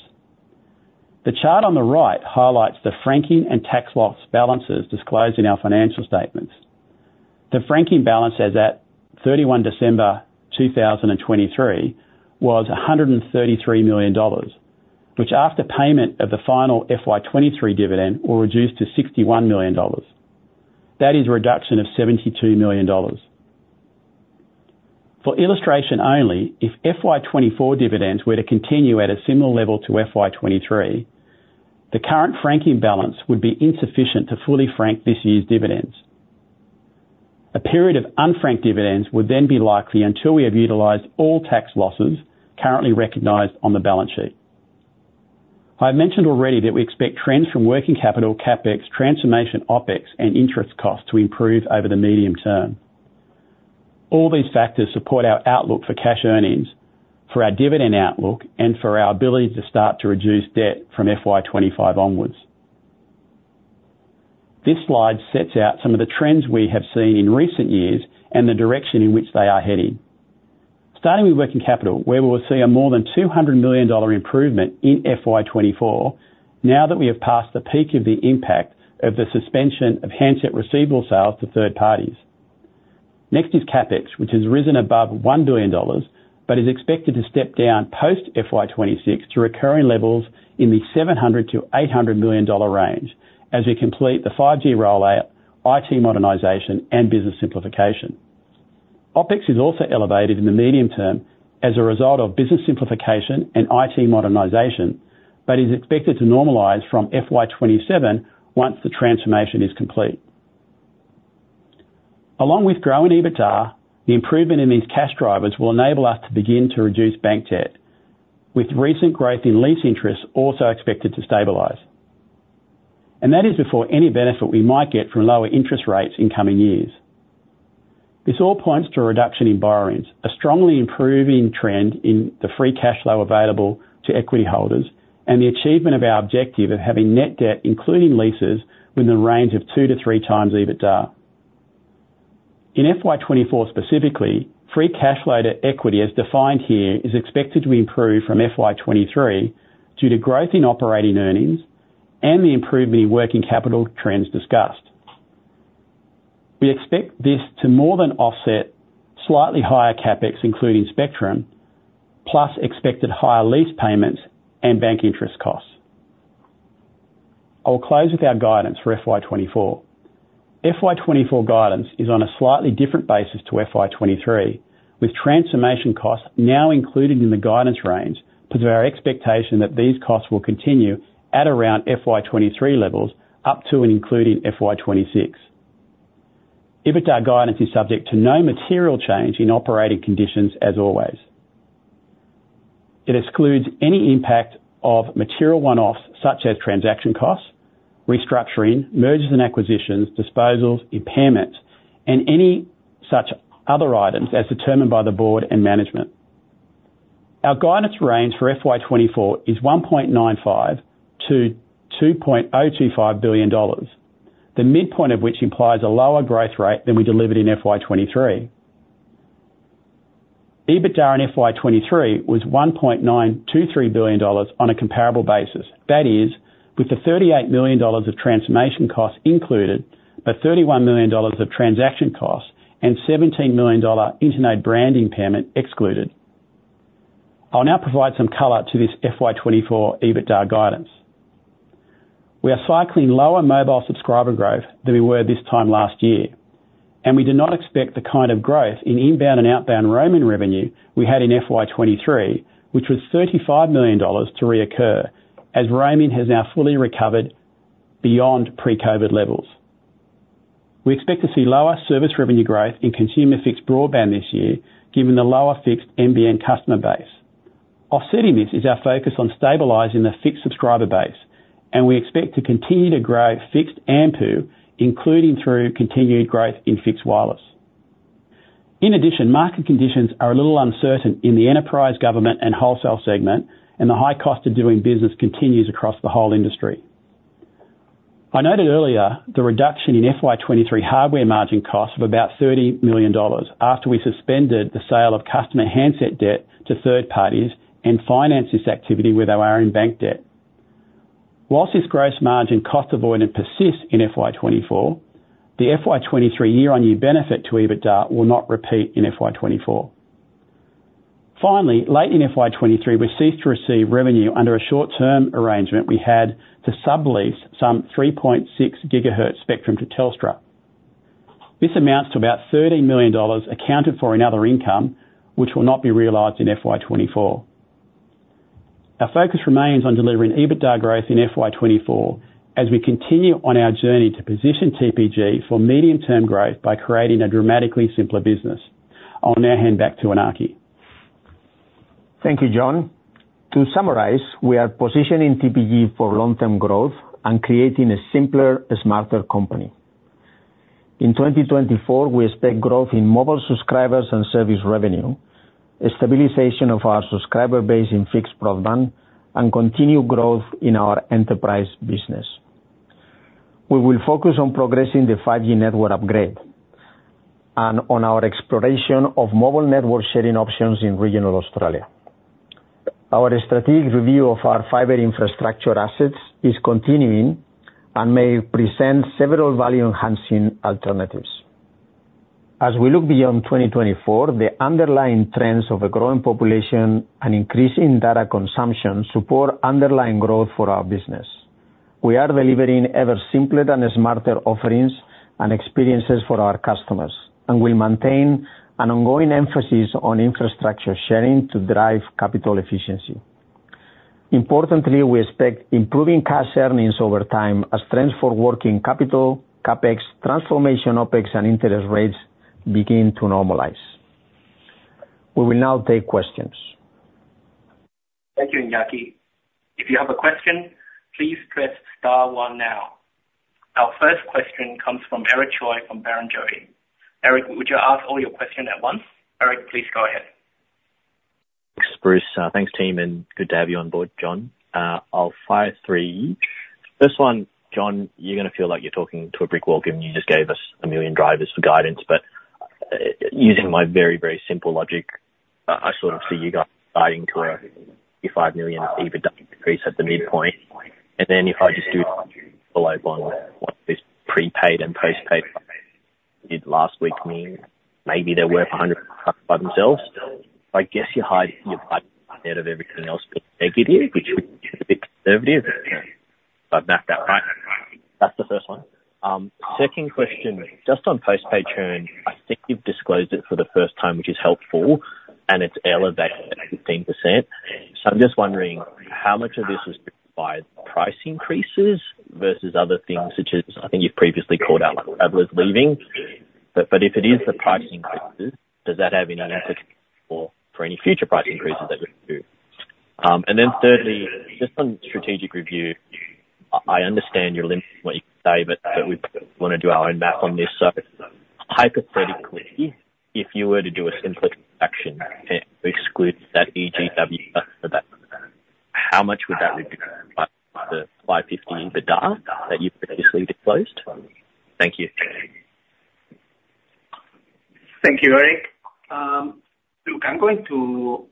The chart on the right highlights the franking and tax loss balances disclosed in our financial statements. The franking balance as at 31 December 2023 was 133 million dollars, which after payment of the final FY23 dividend will reduce to 61 million dollars. That is a reduction of 72 million dollars. For illustration only, if FY24 dividends were to continue at a similar level to FY23, the current franking balance would be insufficient to fully frank this year's dividends. A period of unfranked dividends would then be likely until we have utilized all tax losses currently recognized on the balance sheet. I've mentioned already that we expect trends from working capital, CapEx, transformation, OpEx, and interest costs to improve over the medium term. All these factors support our outlook for cash earnings, for our dividend outlook, and for our ability to start to reduce debt from FY25 onwards. This slide sets out some of the trends we have seen in recent years and the direction in which they are heading, starting with working capital, where we will see a more than 200 million dollar improvement in FY24 now that we have passed the peak of the impact of the suspension of handset receivable sales to third parties. Next is CapEx, which has risen above 1 billion dollars but is expected to step down post-FY26 to recurring levels in the 700 million-800 million dollar range as we complete the 5G rollout, IT modernization, and business simplification. OPEX is also elevated in the medium term as a result of business simplification and IT modernization but is expected to normalize from FY27 once the transformation is complete. Along with growing EBITDA, the improvement in these cash drivers will enable us to begin to reduce bank debt, with recent growth in lease interest also expected to stabilize. That is before any benefit we might get from lower interest rates in coming years. This all points to a reduction in borrowings, a strongly improving trend in the free cash flow available to equity holders, and the achievement of our objective of having net debt, including leases, within the range of two to three times EBITDA. In FY24 specifically, free cash flow to equity, as defined here, is expected to improve from FY23 due to growth in operating earnings and the improvement in working capital trends discussed. We expect this to more than offset slightly higher CapEx, including spectrum, plus expected higher lease payments and bank interest costs. I will close with our guidance for FY24. FY24 guidance is on a slightly different basis to FY23, with transformation costs now included in the guidance range because of our expectation that these costs will continue at around FY23 levels up to and including FY26. EBITDA guidance is subject to no material change in operating conditions, as always. It excludes any impact of material one-offs such as transaction costs, restructuring, mergers and acquisitions, disposals, impairments, and any such other items as determined by the board and management. Our guidance range for FY24 is 1.95 billion-2.025 billion dollars, the midpoint of which implies a lower growth rate than we delivered in FY23. EBITDA in FY23 was 1.923 billion dollars on a comparable basis, that is, with the 38 million dollars of transformation costs included but 31 million dollars of transaction costs and 17 million dollar iiNet brand impairment excluded. I'll now provide some color to this FY24 EBITDA guidance. We are cycling lower mobile subscriber growth than we were this time last year, and we do not expect the kind of growth in inbound and outbound roaming revenue we had in FY23, which was 35 million dollars, to reoccur as roaming has now fully recovered beyond pre-COVID levels. We expect to see lower service revenue growth in consumer fixed broadband this year given the lower fixed NBN customer base. Offsetting this is our focus on stabilizing the fixed subscriber base, and we expect to continue to grow fixed AMPU, including through continued growth in fixed wireless. In addition, market conditions are a little uncertain in the enterprise government and wholesale segment, and the high cost of doing business continues across the whole industry. I noted earlier the reduction in FY23 hardware margin costs of about 30 million dollars after we suspended the sale of customer handset debt to third parties and financed this activity where they were in bank debt. While this gross margin cost avoidance persists in FY24, the FY23 year-on-year benefit to EBITDA will not repeat in FY24. Finally, late in FY23, we ceased to receive revenue under a short-term arrangement we had to sublease some 3.6 gigahertz spectrum to Telstra. This amounts to about 30 million dollars accounted for in other income, which will not be realized in FY24. Our focus remains on delivering EBITDA growth in FY24 as we continue on our journey to position TPG for medium-term growth by creating a dramatically simpler business. I'll now hand back to Iñaki. Thank you, John. To summarize, we are positioning TPG for long-term growth and creating a simpler, smarter company. In 2024, we expect growth in mobile subscribers and service revenue, stabilization of our subscriber base in fixed broadband, and continued growth in our enterprise business. We will focus on progressing the 5G network upgrade and on our exploration of mobile network sharing options in regional Australia. Our strategic review of our fiber infrastructure assets is continuing and may present several value-enhancing alternatives. As we look beyond 2024, the underlying trends of a growing population and increasing data consumption support underlying growth for our business. We are delivering ever simpler and smarter offerings and experiences for our customers and will maintain an ongoing emphasis on infrastructure sharing to drive capital efficiency. Importantly, we expect improving cash earnings over time as trends for working capital, Capex, transformation OPEX, and interest rates begin to normalize. We will now take questions. Thank you, Iñaki. If you have a question, please press star one now. Our first question comes from Eric Choi from Barrenjoey. Eric, would you ask all your questions at once? Eric, please go ahead. Thanks, Bruce. Thanks, team, and good to have you on board, John. I'll fire three. First one, John, you're going to feel like you're talking to a brick wall given you just gave us a million drivers for guidance. But using my very, very simple logic, I sort of see you guys diving to a 55 million EBITDA increase at the midpoint. And then if I just do follow up on what this prepaid and postpaid did last week means, maybe they're worth 100% by themselves. I guess you're hiding ahead of everything else being negative, which would be conservative. I've mapped that right. That's the first one. Second question, just on postpaid churn, I think you've disclosed it for the first time, which is helpful, and it's earlier back at 15%. So I'm just wondering how much of this was driven by price increases versus other things such as I think you've previously called out travelers leaving. But if it is the price increases, does that have any implications for any future price increases that you're going to do? And then thirdly, just on strategic review, I understand you're limiting what you can say, but we want to do our own math on this. So hypothetically, if you were to do a simpler transaction and exclude that EGW, how much would that reduce the 550 EBITDA that you previously disclosed? Thank you. Thank you, Eric. Look, I'm going to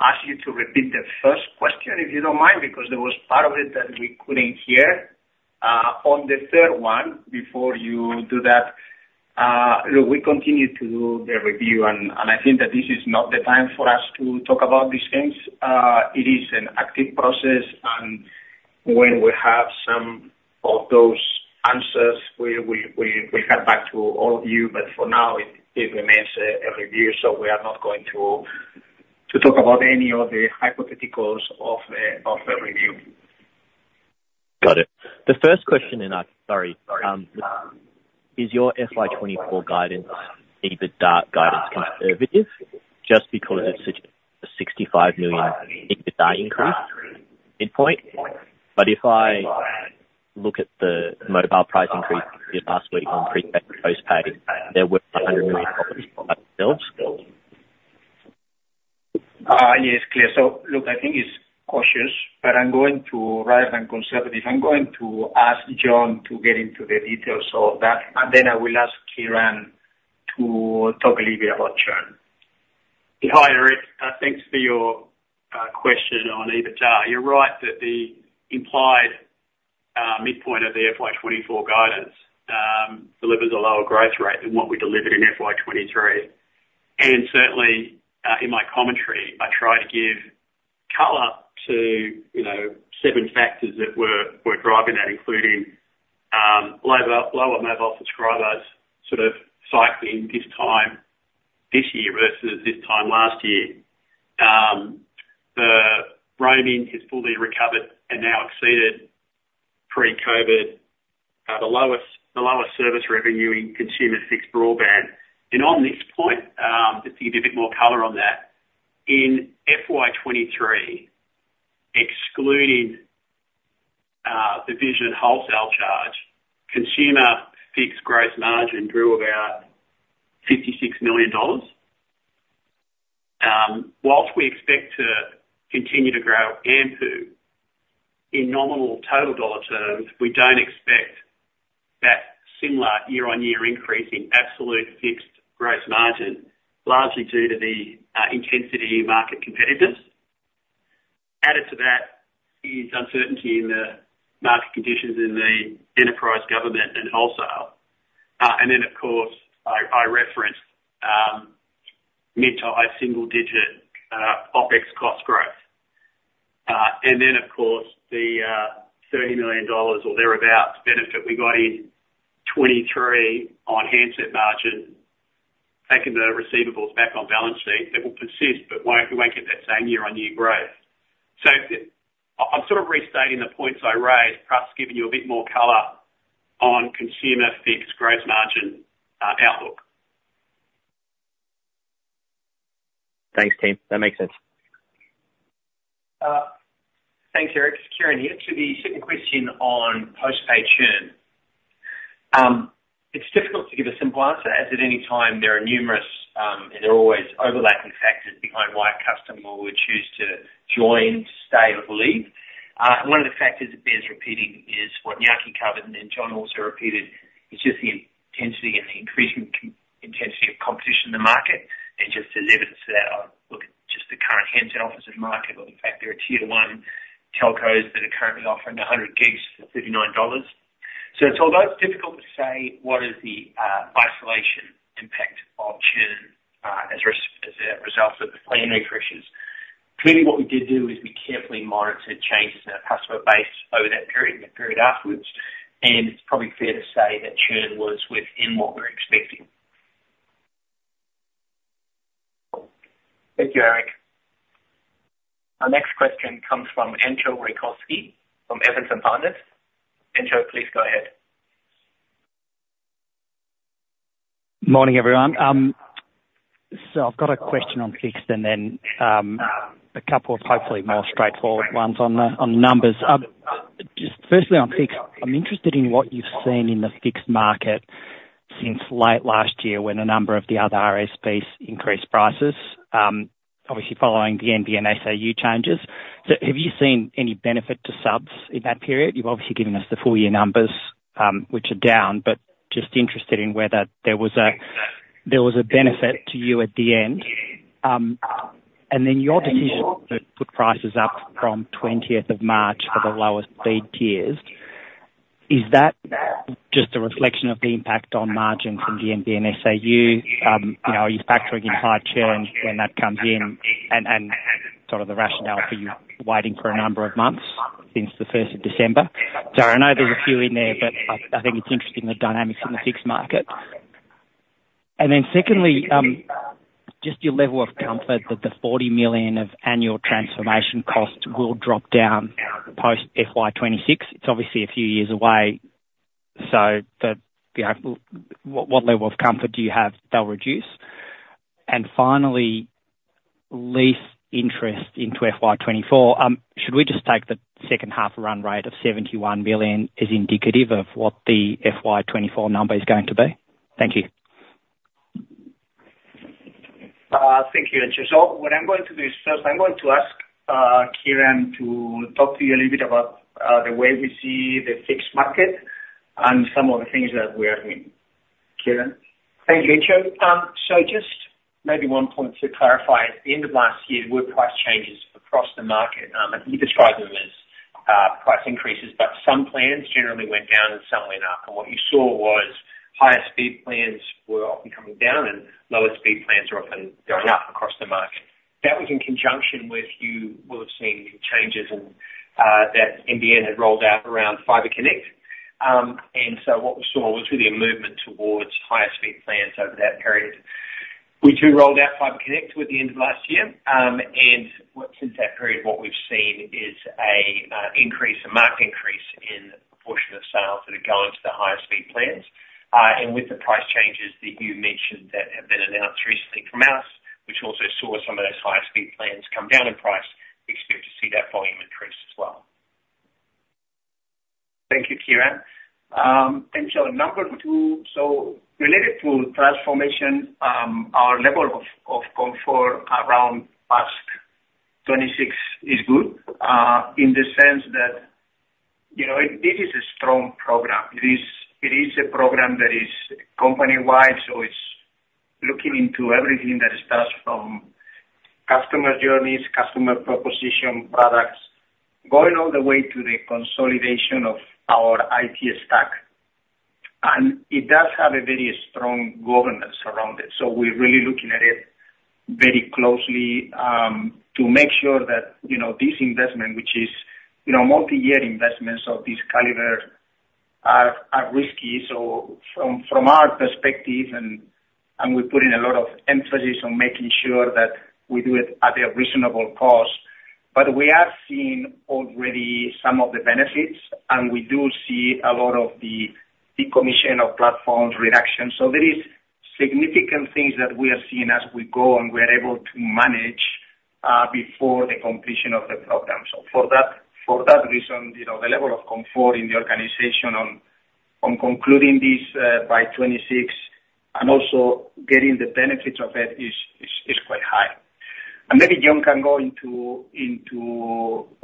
ask you to repeat the first question if you don't mind because there was part of it that we couldn't hear on the third one before you do that. Look, we continue to do the review, and I think that this is not the time for us to talk about these things. It is an active process, and when we have some of those answers, we'll come back to all of you. But for now, it remains a review, so we are not going to talk about any of the hypotheticals of the review. Got it. The first question in our, sorry, is your FY2024 guidance, EBITDA guidance, conservative just because it's such a 65 million EBITDA increase midpoint? But if I look at the mobile price increase last week on prepaid and postpaid, they're worth 100 million dollars by themselves. Yes, clear. So look, I think it's cautious, but rather than conservative, I'm going to ask John to get into the details of that, and then I will ask Kieren to talk a little bit about churn. Hi, Eric. Thanks for your question on EBITDA. You're right that the implied midpoint of the FY24 guidance delivers a lower growth rate than what we delivered in FY23. Certainly, in my commentary, I try to give color to 7 factors that were driving that, including lower mobile subscribers sort of cycling this year versus this time last year. The roaming has fully recovered and now exceeded pre-COVID the lowest service revenue in consumer fixed broadband. On this point, just to give you a bit more color on that, in FY23, excluding the vision wholesale charge, consumer fixed gross margin grew about 56 million dollars. While we expect to continue to grow AMPU in nominal total dollar terms, we don't expect that similar year-on-year increase in absolute fixed gross margin, largely due to the intensity of market competitiveness. Added to that is uncertainty in the market conditions in the enterprise, government, and wholesale. And then, of course, I referenced mid to high single-digit OPEX cost growth. And then, of course, the 30 million dollars or thereabouts benefit we got in 2023 on handset margin, taking the receivables back on balance sheet, that will persist but we won't get that same year-on-year growth. So I'm sort of restating the points I raised, perhaps giving you a bit more color on consumer fixed gross margin outlook. Thanks, team. That makes sense. Thanks, Eric. Kieren here. To the second question on postpaid churn, it's difficult to give a simple answer as at any time, there are numerous and there are always overlapping factors behind why a customer would choose to join, stay, or leave. One of the factors that bears repeating is what Iñaki covered and then John also repeated is just the intensity and the increasing intensity of competition in the market. And just as evidence of that, I look at just the current handset offers in the market. Look, in fact, there are tier-one telcos that are currently offering 100 GB for 39 dollars. So it's although it's difficult to say what is the isolation impact of churn as a result of the plan refreshes. Clearly, what we did do is we carefully monitored changes in our customer base over that period and the period afterwards. It's probably fair to say that churn was within what we were expecting. Thank you, Eric. Our next question comes from Entcho Raykovski from Evans & Partners. Ancho, please go ahead. Morning, everyone. So I've got a question on fixed and then a couple of hopefully more straightforward ones on numbers. Firstly, on fixed, I'm interested in what you've seen in the fixed market since late last year when a number of the other RSPs increased prices, obviously following the NBN SAU changes. So have you seen any benefit to subs in that period? You've obviously given us the full-year numbers, which are down, but just interested in whether there was a benefit to you at the end. And then your decision to put prices up from 20th of March for the lowest-speed tiers, is that just a reflection of the impact on margins in the NBN SAU? Are you factoring in high churn when that comes in and sort of the rationale for you waiting for a number of months since the 1st of December? I know there's a few in there, but I think it's interesting the dynamics in the fixed market. And then secondly, just your level of comfort that the 40 million of annual transformation costs will drop down post-FY 2026. It's obviously a few years away, so what level of comfort do you have they'll reduce? And finally, lease interest into FY 2024. Should we just take the second-half run rate of 71 million as indicative of what the FY 2024 number is going to be? Thank you. Thank you, Entcho. What I'm going to do is first, I'm going to ask Kieren to talk to you a little bit about the way we see the fixed market and some of the things that we are doing. Kieren? Thank you, HO. So just maybe one point to clarify. At the end of last year, there were price changes across the market, and you described them as price increases, but some plans generally went down and some went up. And what you saw was higher-speed plans were often coming down and lower-speed plans are often going up across the market. That was in conjunction with you will have seen changes in that NBN had rolled out around Fiber Connect. And so what we saw was really a movement towards higher-speed plans over that period. We rolled out Fiber Connect with the end of last year. And since that period, what we've seen is a market increase in the proportion of sales that are going to the higher-speed plans. With the price changes that you mentioned that have been announced recently from us, which also saw some of those higher-speed plans come down in price, we expect to see that volume increase as well. Thank you, Kieren. Thank you, John. Number two, so related to transformation, our level of comfort around past 2026 is good in the sense that it is a strong program. It is a program that is company-wide, so it's looking into everything that starts from customer journeys, customer proposition, products, going all the way to the consolidation of our IT stack. And it does have a very strong governance around it. So we're really looking at it very closely to make sure that this investment, which is multi-year investments of this calibre, are risky. So from our perspective, and we're putting a lot of emphasis on making sure that we do it at a reasonable cost. But we are seeing already some of the benefits, and we do see a lot of the decommission of platforms reduction. There are significant things that we are seeing as we go and we are able to manage before the completion of the program. For that reason, the level of comfort in the organization on concluding this by 2026 and also getting the benefits of it is quite high. Maybe John can go into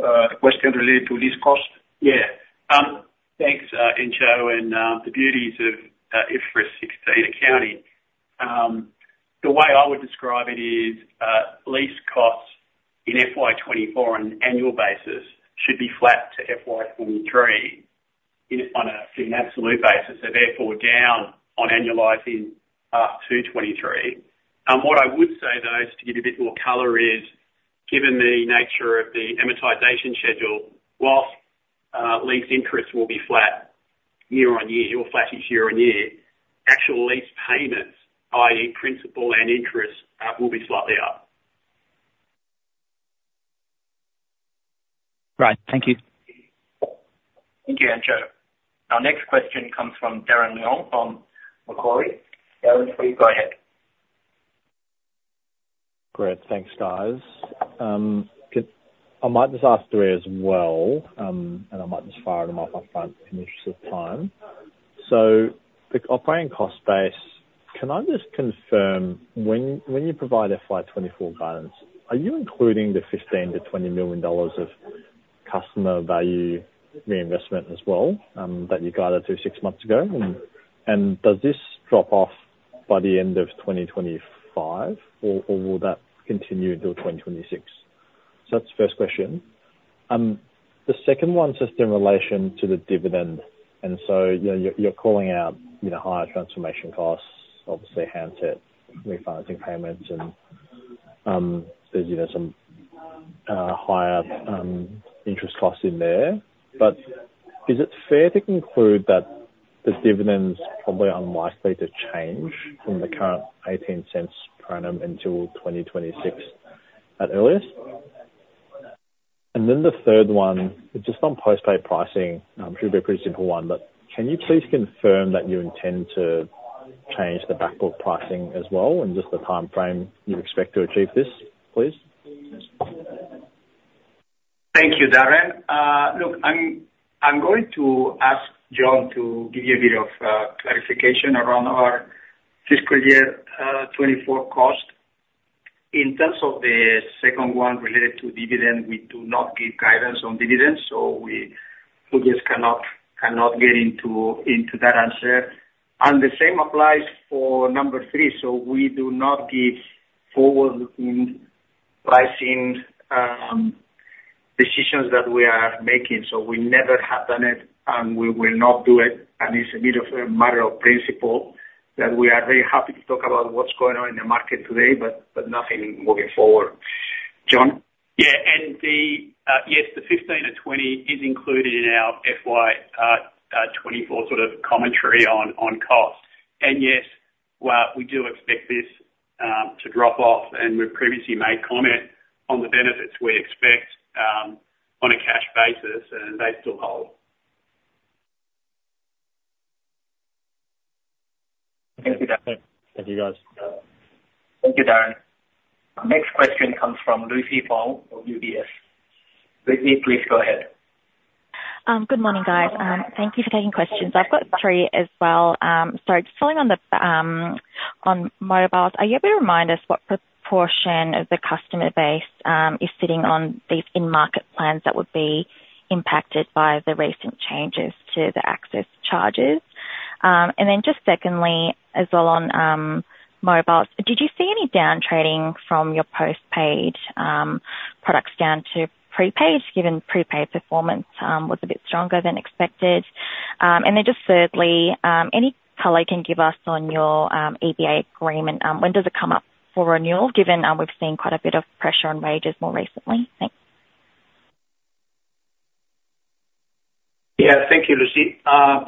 a question related to lease costs. Yeah. Thanks, Ancho, and the nuances of IFRS 16 accounting. The way I would describe it is lease costs in FY24 on an annual basis should be flat to FY23 on an absolute basis and therefore down on annualizing after 2023. And what I would say, though, is to give you a bit more color is given the nature of the amortization schedule, while lease interest will be flat year on year or flat each year on year, actual lease payments, i.e., principal and interest, will be slightly up. Right. Thank you. Thank you, Ancho. Our next question comes from Darren Leung from Macquarie. Darren, please go ahead. Great. Thanks, guys. I might just ask three as well, and I might just fire them off upfront in the interest of time. So operating cost base, can I just confirm when you provide FY24 guidance, are you including the 15 million-20 million dollars of customer value reinvestment as well that you guided through six months ago? And does this drop off by the end of 2025, or will that continue until 2026? So that's the first question. The second one says in relation to the dividend. And so you're calling out higher transformation costs, obviously handset refinancing payments, and there's some higher interest costs in there. But is it fair to conclude that the dividend's probably unlikely to change from the current 0.18 per annum until 2026 at earliest? And then the third one, just on postpaid pricing, should be a pretty simple one, but can you please confirm that you intend to change the Backbook pricing as well and just the timeframe you expect to achieve this, please? Thank you, Darren. Look, I'm going to ask John to give you a bit of clarification around our fiscal year 2024 cost. In terms of the second one related to dividend, we do not give guidance on dividends, so we just cannot get into that answer. The same applies for number three. We do not give forward-looking pricing decisions that we are making. We never have done it, and we will not do it. It's a bit of a matter of principle that we are very happy to talk about what's going on in the market today, but nothing moving forward. John? Yeah. Yes, the 15-20 is included in our FY24 sort of commentary on cost. Yes, we do expect this to drop off, and we've previously made comment on the benefits we expect on a cash basis, and they still hold. Thank you, Darren. Thank you, guys. Thank you, Darren. Next question comes from Lucy Huang of UBS. Lucy, please go ahead. Good morning, guys. Thank you for taking questions. I've got three as well. So just following on mobiles, are you able to remind us what proportion of the customer base is sitting on these in-market plans that would be impacted by the recent changes to the access charges? And then just secondly, as well on mobiles, did you see any downtrading from your postpaid products down to prepaid given prepaid performance was a bit stronger than expected? And then just thirdly, any color can give us on your EBA agreement. When does it come up for renewal given we've seen quite a bit of pressure on wages more recently? Thanks. Yeah. Thank you, Lucy.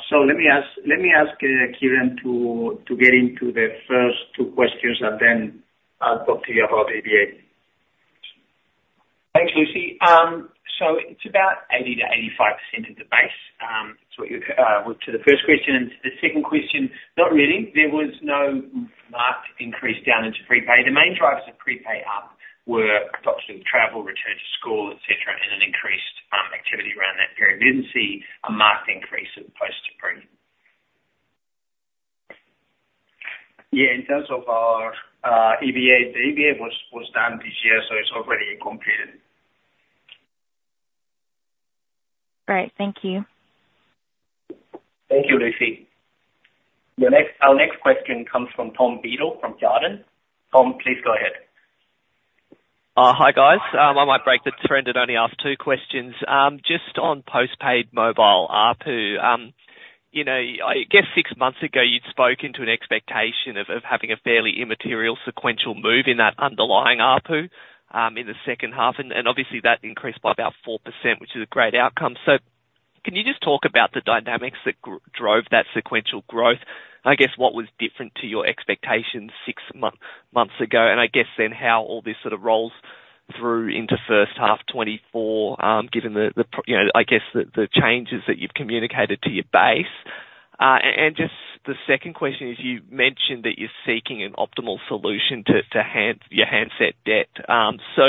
So let me ask Kieren to get into the first two questions, and then I'll talk to you about EBITDA. Thanks, Lucy. So it's about 80%-85% of the base. To the first question and to the second question, not really. There was no marked increase down into prepaid. The main drivers of prepaid up were obviously travel, return to school, etc., and an increased activity around that period. We didn't see a marked increase at the post to pre. Yeah. In terms of our EBA, the EBA was done this year, so it's already incomplete. Great. Thank you. Thank you, Lucy. Our next question comes from Tom Beadle from Jarden. Tom, please go ahead. Hi, guys. I might break the trend and only ask two questions. Just on postpaid mobile ARPU, I guess six months ago, you'd spoken to an expectation of having a fairly immaterial sequential move in that underlying ARPU in the second half. And obviously, that increased by about 4%, which is a great outcome. So can you just talk about the dynamics that drove that sequential growth? And I guess what was different to your expectations six months ago? And I guess then how all this sort of rolls through into first half 2024 given the, I guess, the changes that you've communicated to your base. And just the second question is you mentioned that you're seeking an optimal solution to your handset debt. So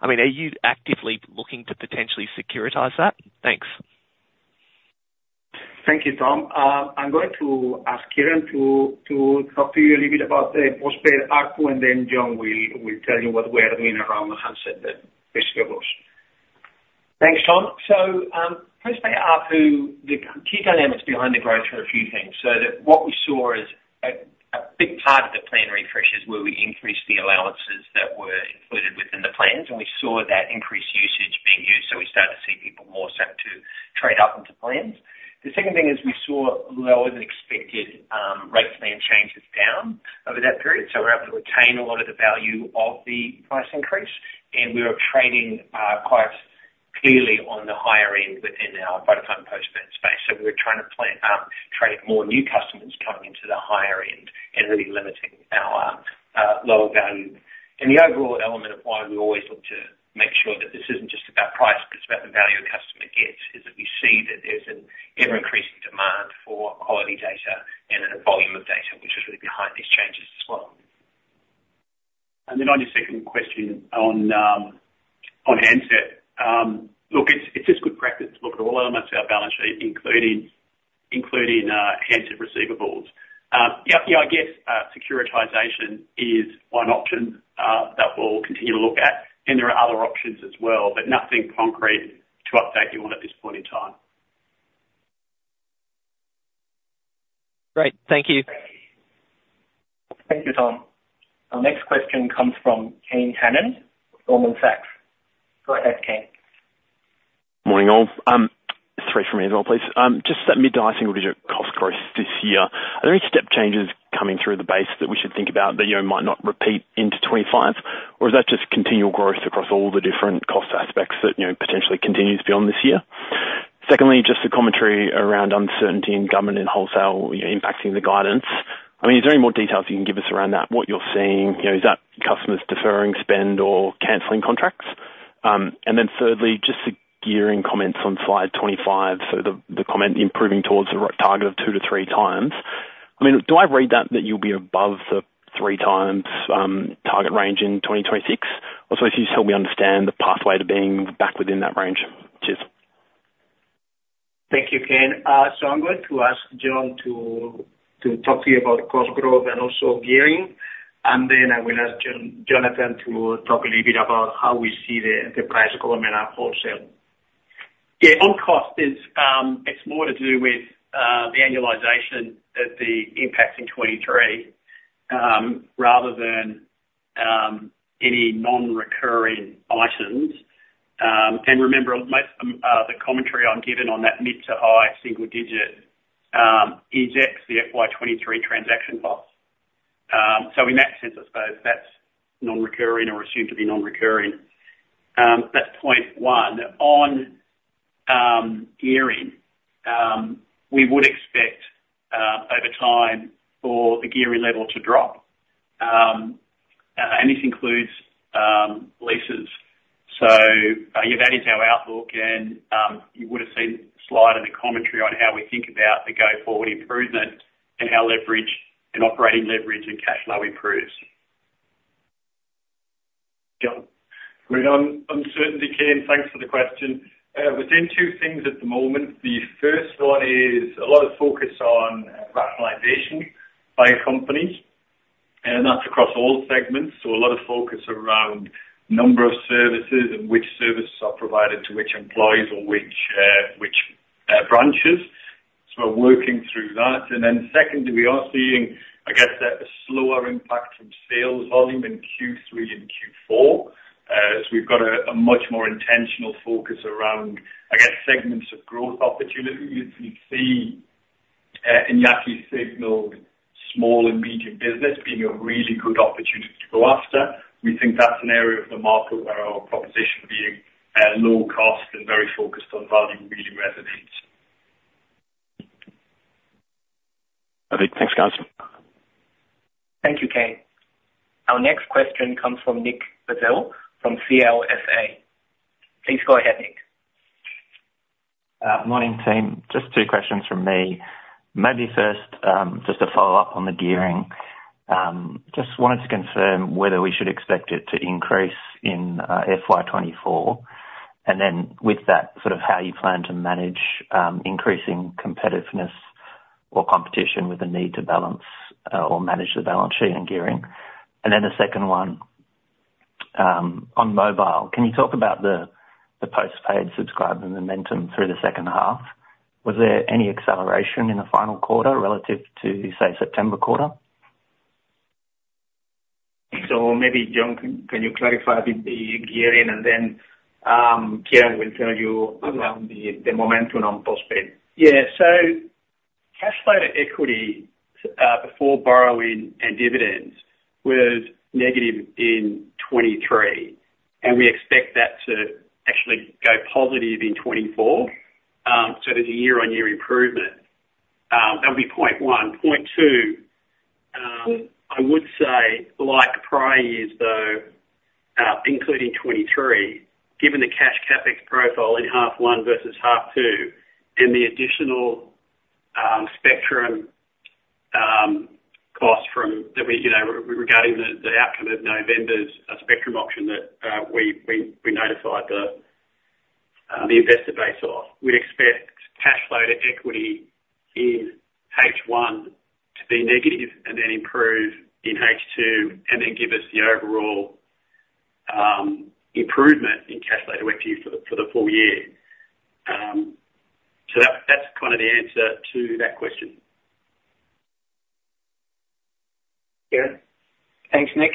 I mean, are you actively looking to potentially securitize that? Thanks. Thank you, Tom. I'm going to ask Kieren to talk to you a little bit about the postpaid ARPU, and then John will tell you what we are doing around the handset debt, basically, of course. Thanks, John. So postpaid ARPU, the key dynamics behind the growth are a few things. So what we saw is a big part of the plan refreshes where we increased the allowances that were included within the plans, and we saw that increased usage being used. So we started to see people more start to trade up into plans. The second thing is we saw lower-than-expected rate plan changes down over that period. So we're able to retain a lot of the value of the price increase, and we were trading quite clearly on the higher end within our Vodafone postpaid space. So we were trying to trade more new customers coming into the higher end and really limiting our lower value. The overall element of why we always look to make sure that this isn't just about price, but it's about the value a customer gets is that we see that there's an ever-increasing demand for quality data and a volume of data, which is really behind these changes as well. Then on your second question on handset, look, it's just good practice to look at all elements of our balance sheet, including handset receivables. Yeah. I guess securitization is one option that we'll continue to look at, and there are other options as well, but nothing concrete to update you on at this point in time. Great. Thank you. Thank you, Tom. Our next question comes from Kane Hannan, Goldman Sachs. Go ahead, Kane. Morning, all. Three from me as well, please. Just mid-high single-digit cost growth this year. Are there any step changes coming through the base that we should think about that might not repeat into 2025, or is that just continual growth across all the different cost aspects that potentially continues beyond this year? Secondly, just a commentary around uncertainty in government and wholesale impacting the guidance. I mean, is there any more details you can give us around that, what you're seeing? Is that customers deferring spend or cancelling contracts? And then thirdly, just the gearing comments on slide 25, so the comment improving towards the target of two to three times. I mean, do I read that that you'll be above the three-times target range in 2026? Also, if you just help me understand the pathway to being back within that range. Cheers. Thank you, Kane. So I'm going to ask John to talk to you about cost growth and also gearing. Then I will ask Jonathan to talk a little bit about how we see the enterprise, government, and wholesale. Yeah. On costs, it's more to do with the annualisation that the impact in 2023 rather than any non-recurring items. And remember, the commentary I'm giving on that mid- to high single-digit is ex the FY 2023 transaction costs. So in that sense, I suppose that's non-recurring or assumed to be non-recurring. That's point one. On gearing, we would expect over time for the gearing level to drop, and this includes leases. So yeah, that is our outlook, and you would have seen the slide and the commentary on how we think about the go-forward improvement and how operating leverage and cash flow improves. John, good on uncertainty, Kane. Thanks for the question. Within two things at the moment, the first one is a lot of focus on rationalization by companies, and that's across all segments. So a lot of focus around number of services and which services are provided to which employees or which branches. So we're working through that. And then secondly, we are seeing, I guess, a slower impact from sales volume in Q3 and Q4 as we've got a much more intentional focus around, I guess, segments of growth opportunities. We see Iñaki signalled small and medium business being a really good opportunity to go after. We think that's an area of the market where our proposition being low cost and very focused on value really resonates. Perfect. Thanks, guys. Thank you, Kane. Our next question comes from Nick Basile from CLSA. Please go ahead, Nick. Morning, Tim. Just two questions from me. Maybe first, just a follow-up on the gearing. Just wanted to confirm whether we should expect it to increase in FY2024, and then with that, sort of how you plan to manage increasing competitiveness or competition with the need to balance or manage the balance sheet and gearing. And then the second one on mobile, can you talk about the postpaid subscriber momentum through the second half? Was there any acceleration in the final quarter relative to, say, September quarter? Maybe, John, can you clarify the gearing, and then Kieren will tell you around the momentum on postpaid? Yeah. So cash flow to equity before borrowing and dividends was negative in 2023, and we expect that to actually go positive in 2024. So there's a year-on-year improvement. That would be point one. Point two, I would say like prior years, though, including 2023, given the cash Capex profile in half one versus half two and the additional spectrum costs regarding the outcome of November's spectrum auction that we notified the investor base of, we'd expect cash flow to equity in H1 to be negative and then improve in H2 and then give us the overall improvement in cash flow to equity for the full year. So that's kind of the answer to that question. Kieren? Thanks, Nick.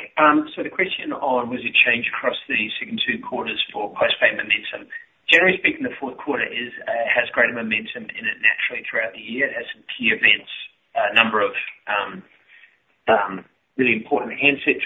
So the question on, was it changed across the second two quarters for postpaid momentum. Generally speaking, the fourth quarter has greater momentum in it naturally throughout the year. It has some key events, a number of really important handset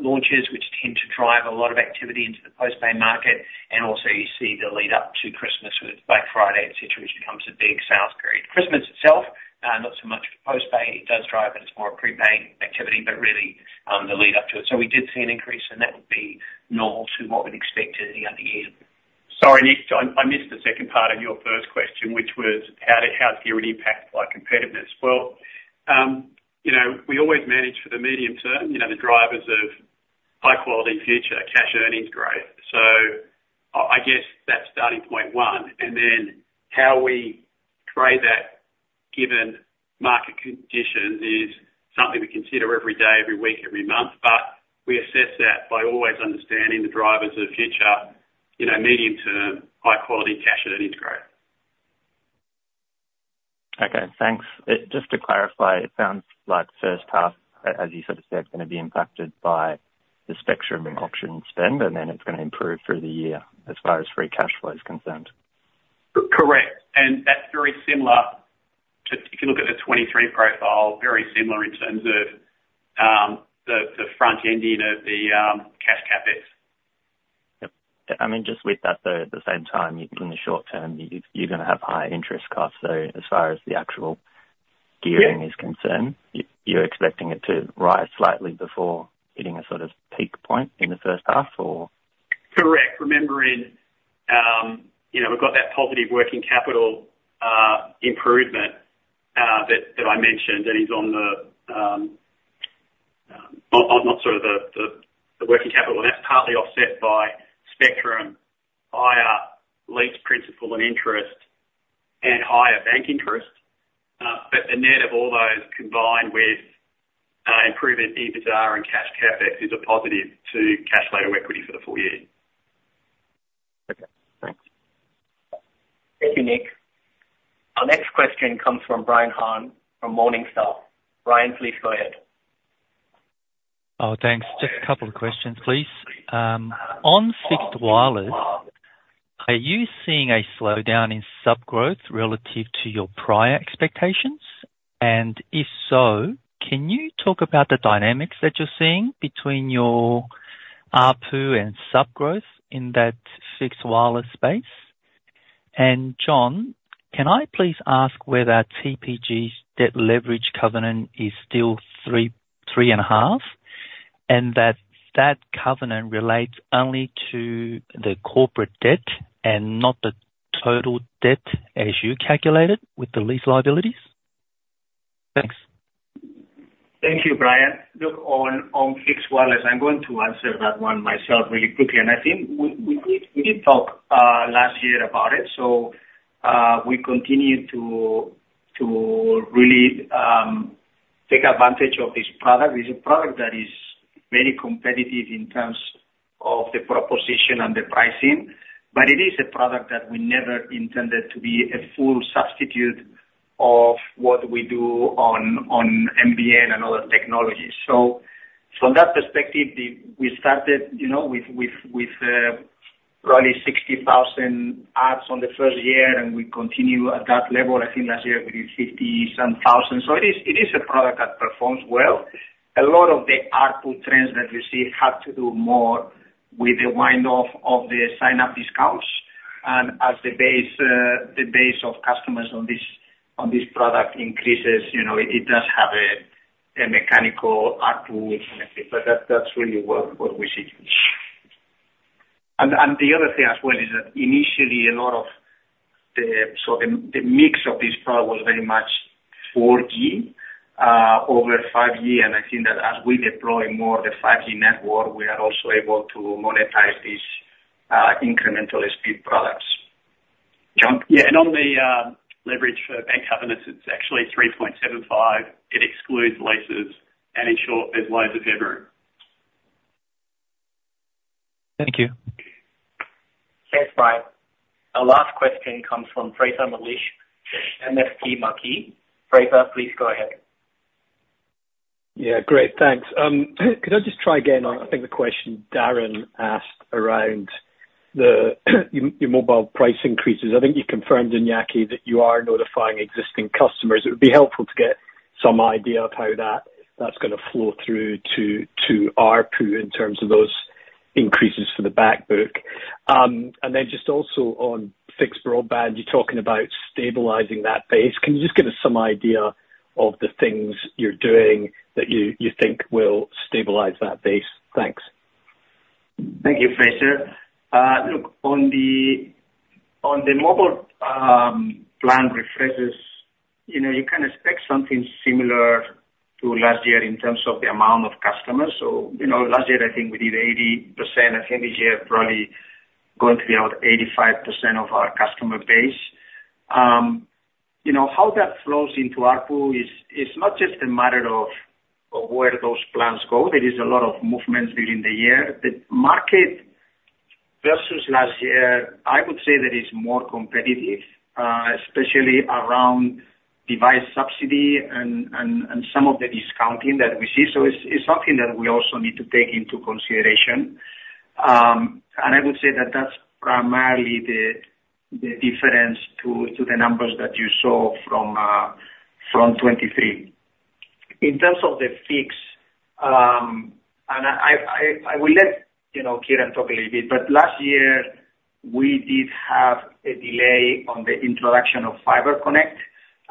launches, which tend to drive a lot of activity into the postpaid market. And also, you see the lead-up to Christmas with Black Friday, etc., which becomes a big sales period. Christmas itself, not so much postpaid. It does drive, but it's more a prepaid activity, but really the lead-up to it. So we did see an increase, and that would be normal to what we'd expect in the end of the year. Sorry, Nick. I missed the second part of your first question, which was how's gearing impacted by competitiveness? Well, we always manage for the medium term, the drivers of high-quality future cash earnings growth. So I guess that's starting point one. And then how we trade that given market conditions is something we consider every day, every week, every month. But we assess that by always understanding the drivers of future medium-term, high-quality cash earnings growth. Okay. Thanks. Just to clarify, it sounds like first half, as you sort of said, is going to be impacted by the spectrum option spend, and then it's going to improve through the year as far as free cash flow is concerned. Correct. And that's very similar to if you look at the 2023 profile, very similar in terms of the front ending of the cash Capex. Yep. I mean, just with that, though, at the same time, in the short term, you're going to have higher interest costs. So as far as the actual gearing is concerned, you're expecting it to rise slightly before hitting a sort of peak point in the first half, or? Correct. Remembering, we've got that positive working capital improvement that I mentioned that is on the not sort of the working capital. And that's partly offset by spectrum, higher lease principal and interest, and higher bank interest. But the net of all those combined with improvement in EBITDA and cash capex is a positive to cash flow to equity for the full year. Okay. Thanks. Thank you, Nick. Our next question comes from Brian Hahn from Morningstar. Brian, please go ahead. Oh, thanks. Just a couple of questions, please. On fixed wireless, are you seeing a slowdown in subgrowth relative to your prior expectations? And if so, can you talk about the dynamics that you're seeing between your ARPU and subgrowth in that fixed wireless space? And John, can I please ask whether TPG's debt leverage covenant is still 3.5 and that that covenant relates only to the corporate debt and not the total debt as you calculate it with the lease liabilities? Thanks. Thank you, Brian. Look, on fixed wireless, I'm going to answer that one myself really quickly. I think we did talk last year about it. We continue to really take advantage of this product. It's a product that is very competitive in terms of the proposition and the pricing. But it is a product that we never intended to be a full substitute of what we do on NBN and other technologies. So from that perspective, we started with probably 60,000 adds on the first year, and we continue at that level. I think last year, we did 50-some thousand. It is a product that performs well. A lot of the ARPU trends that you see have to do more with the wind-down of the sign-up discounts. And as the base of customers on this product increases, it does have a mechanical ARPU connectivity. But that's really what we see. And the other thing as well is that initially, a lot of the so the mix of these products was very much 4G over 5G. And I think that as we deploy more of the 5G network, we are also able to monetize these incremental speed products. John? Yeah. On the leverage for bank covenants, it's actually 3.75. It excludes leases, and in short, there's loads of headroom. Thank you. Thanks, Brian. Our last question comes from Fraser McLeish, MST Marquee. Fraser, please go ahead. Yeah. Great. Thanks. Could I just try again on, I think, the question Darren asked around your mobile price increases? I think you confirmed, Iñaki, that you are notifying existing customers. It would be helpful to get some idea of how that's going to flow through to ARPU in terms of those increases for the backbook. And then just also on fixed broadband, you're talking about stabilising that base. Can you just give us some idea of the things you're doing that you think will stabilise that base? Thanks. Thank you, Fraser. Look, on the mobile plan refreshes, you can expect something similar to last year in terms of the amount of customers. So last year, I think we did 80%. I think this year, probably going to be about 85% of our customer base. How that flows into ARPU is not just a matter of where those plans go. There is a lot of movements during the year. The market versus last year, I would say that it's more competitive, especially around device subsidy and some of the discounting that we see. So it's something that we also need to take into consideration. And I would say that that's primarily the difference to the numbers that you saw from 2023. In terms of the fixed, and I will let Kieren talk a little bit, but last year, we did have a delay on the introduction of FiberConnect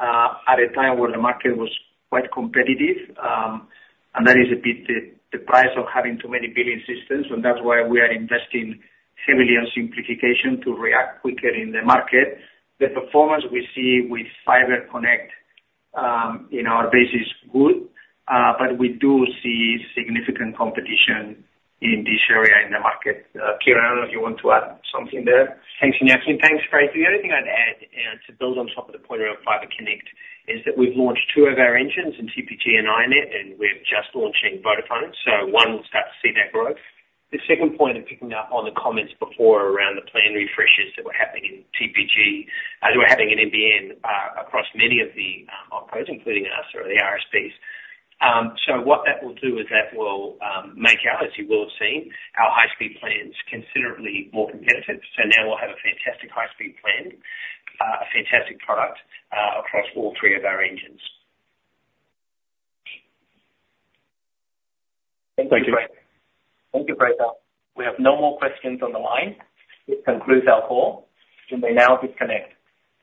at a time where the market was quite competitive. That is a bit the price of having too many billing systems. That's why we are investing heavily on simplification to react quicker in the market. The performance we see with FiberConnect in our base is good, but we do see significant competition in this area in the market. Kieren, I don't know if you want to add something there. Thanks, Iñaki. Thanks, Fraser. The only thing I'd add to build on top of the point around FibreConnect is that we've launched two of our engines in TPG and iiNet, and we're just launching Vodafone. So one will start to see that growth. The second point, and picking up on the comments before around the plan refreshes that were happening in TPG that were happening in NBN across many of the OpCos, including us or the RSPs. So what that will do is that will make our, as you will have seen, our high-speed plans considerably more competitive. So now we'll have a fantastic high-speed plan, a fantastic product across all three of our engines. Thank you. Thank you, Fraser. We have no more questions on the line. This concludes our call. We may now disconnect.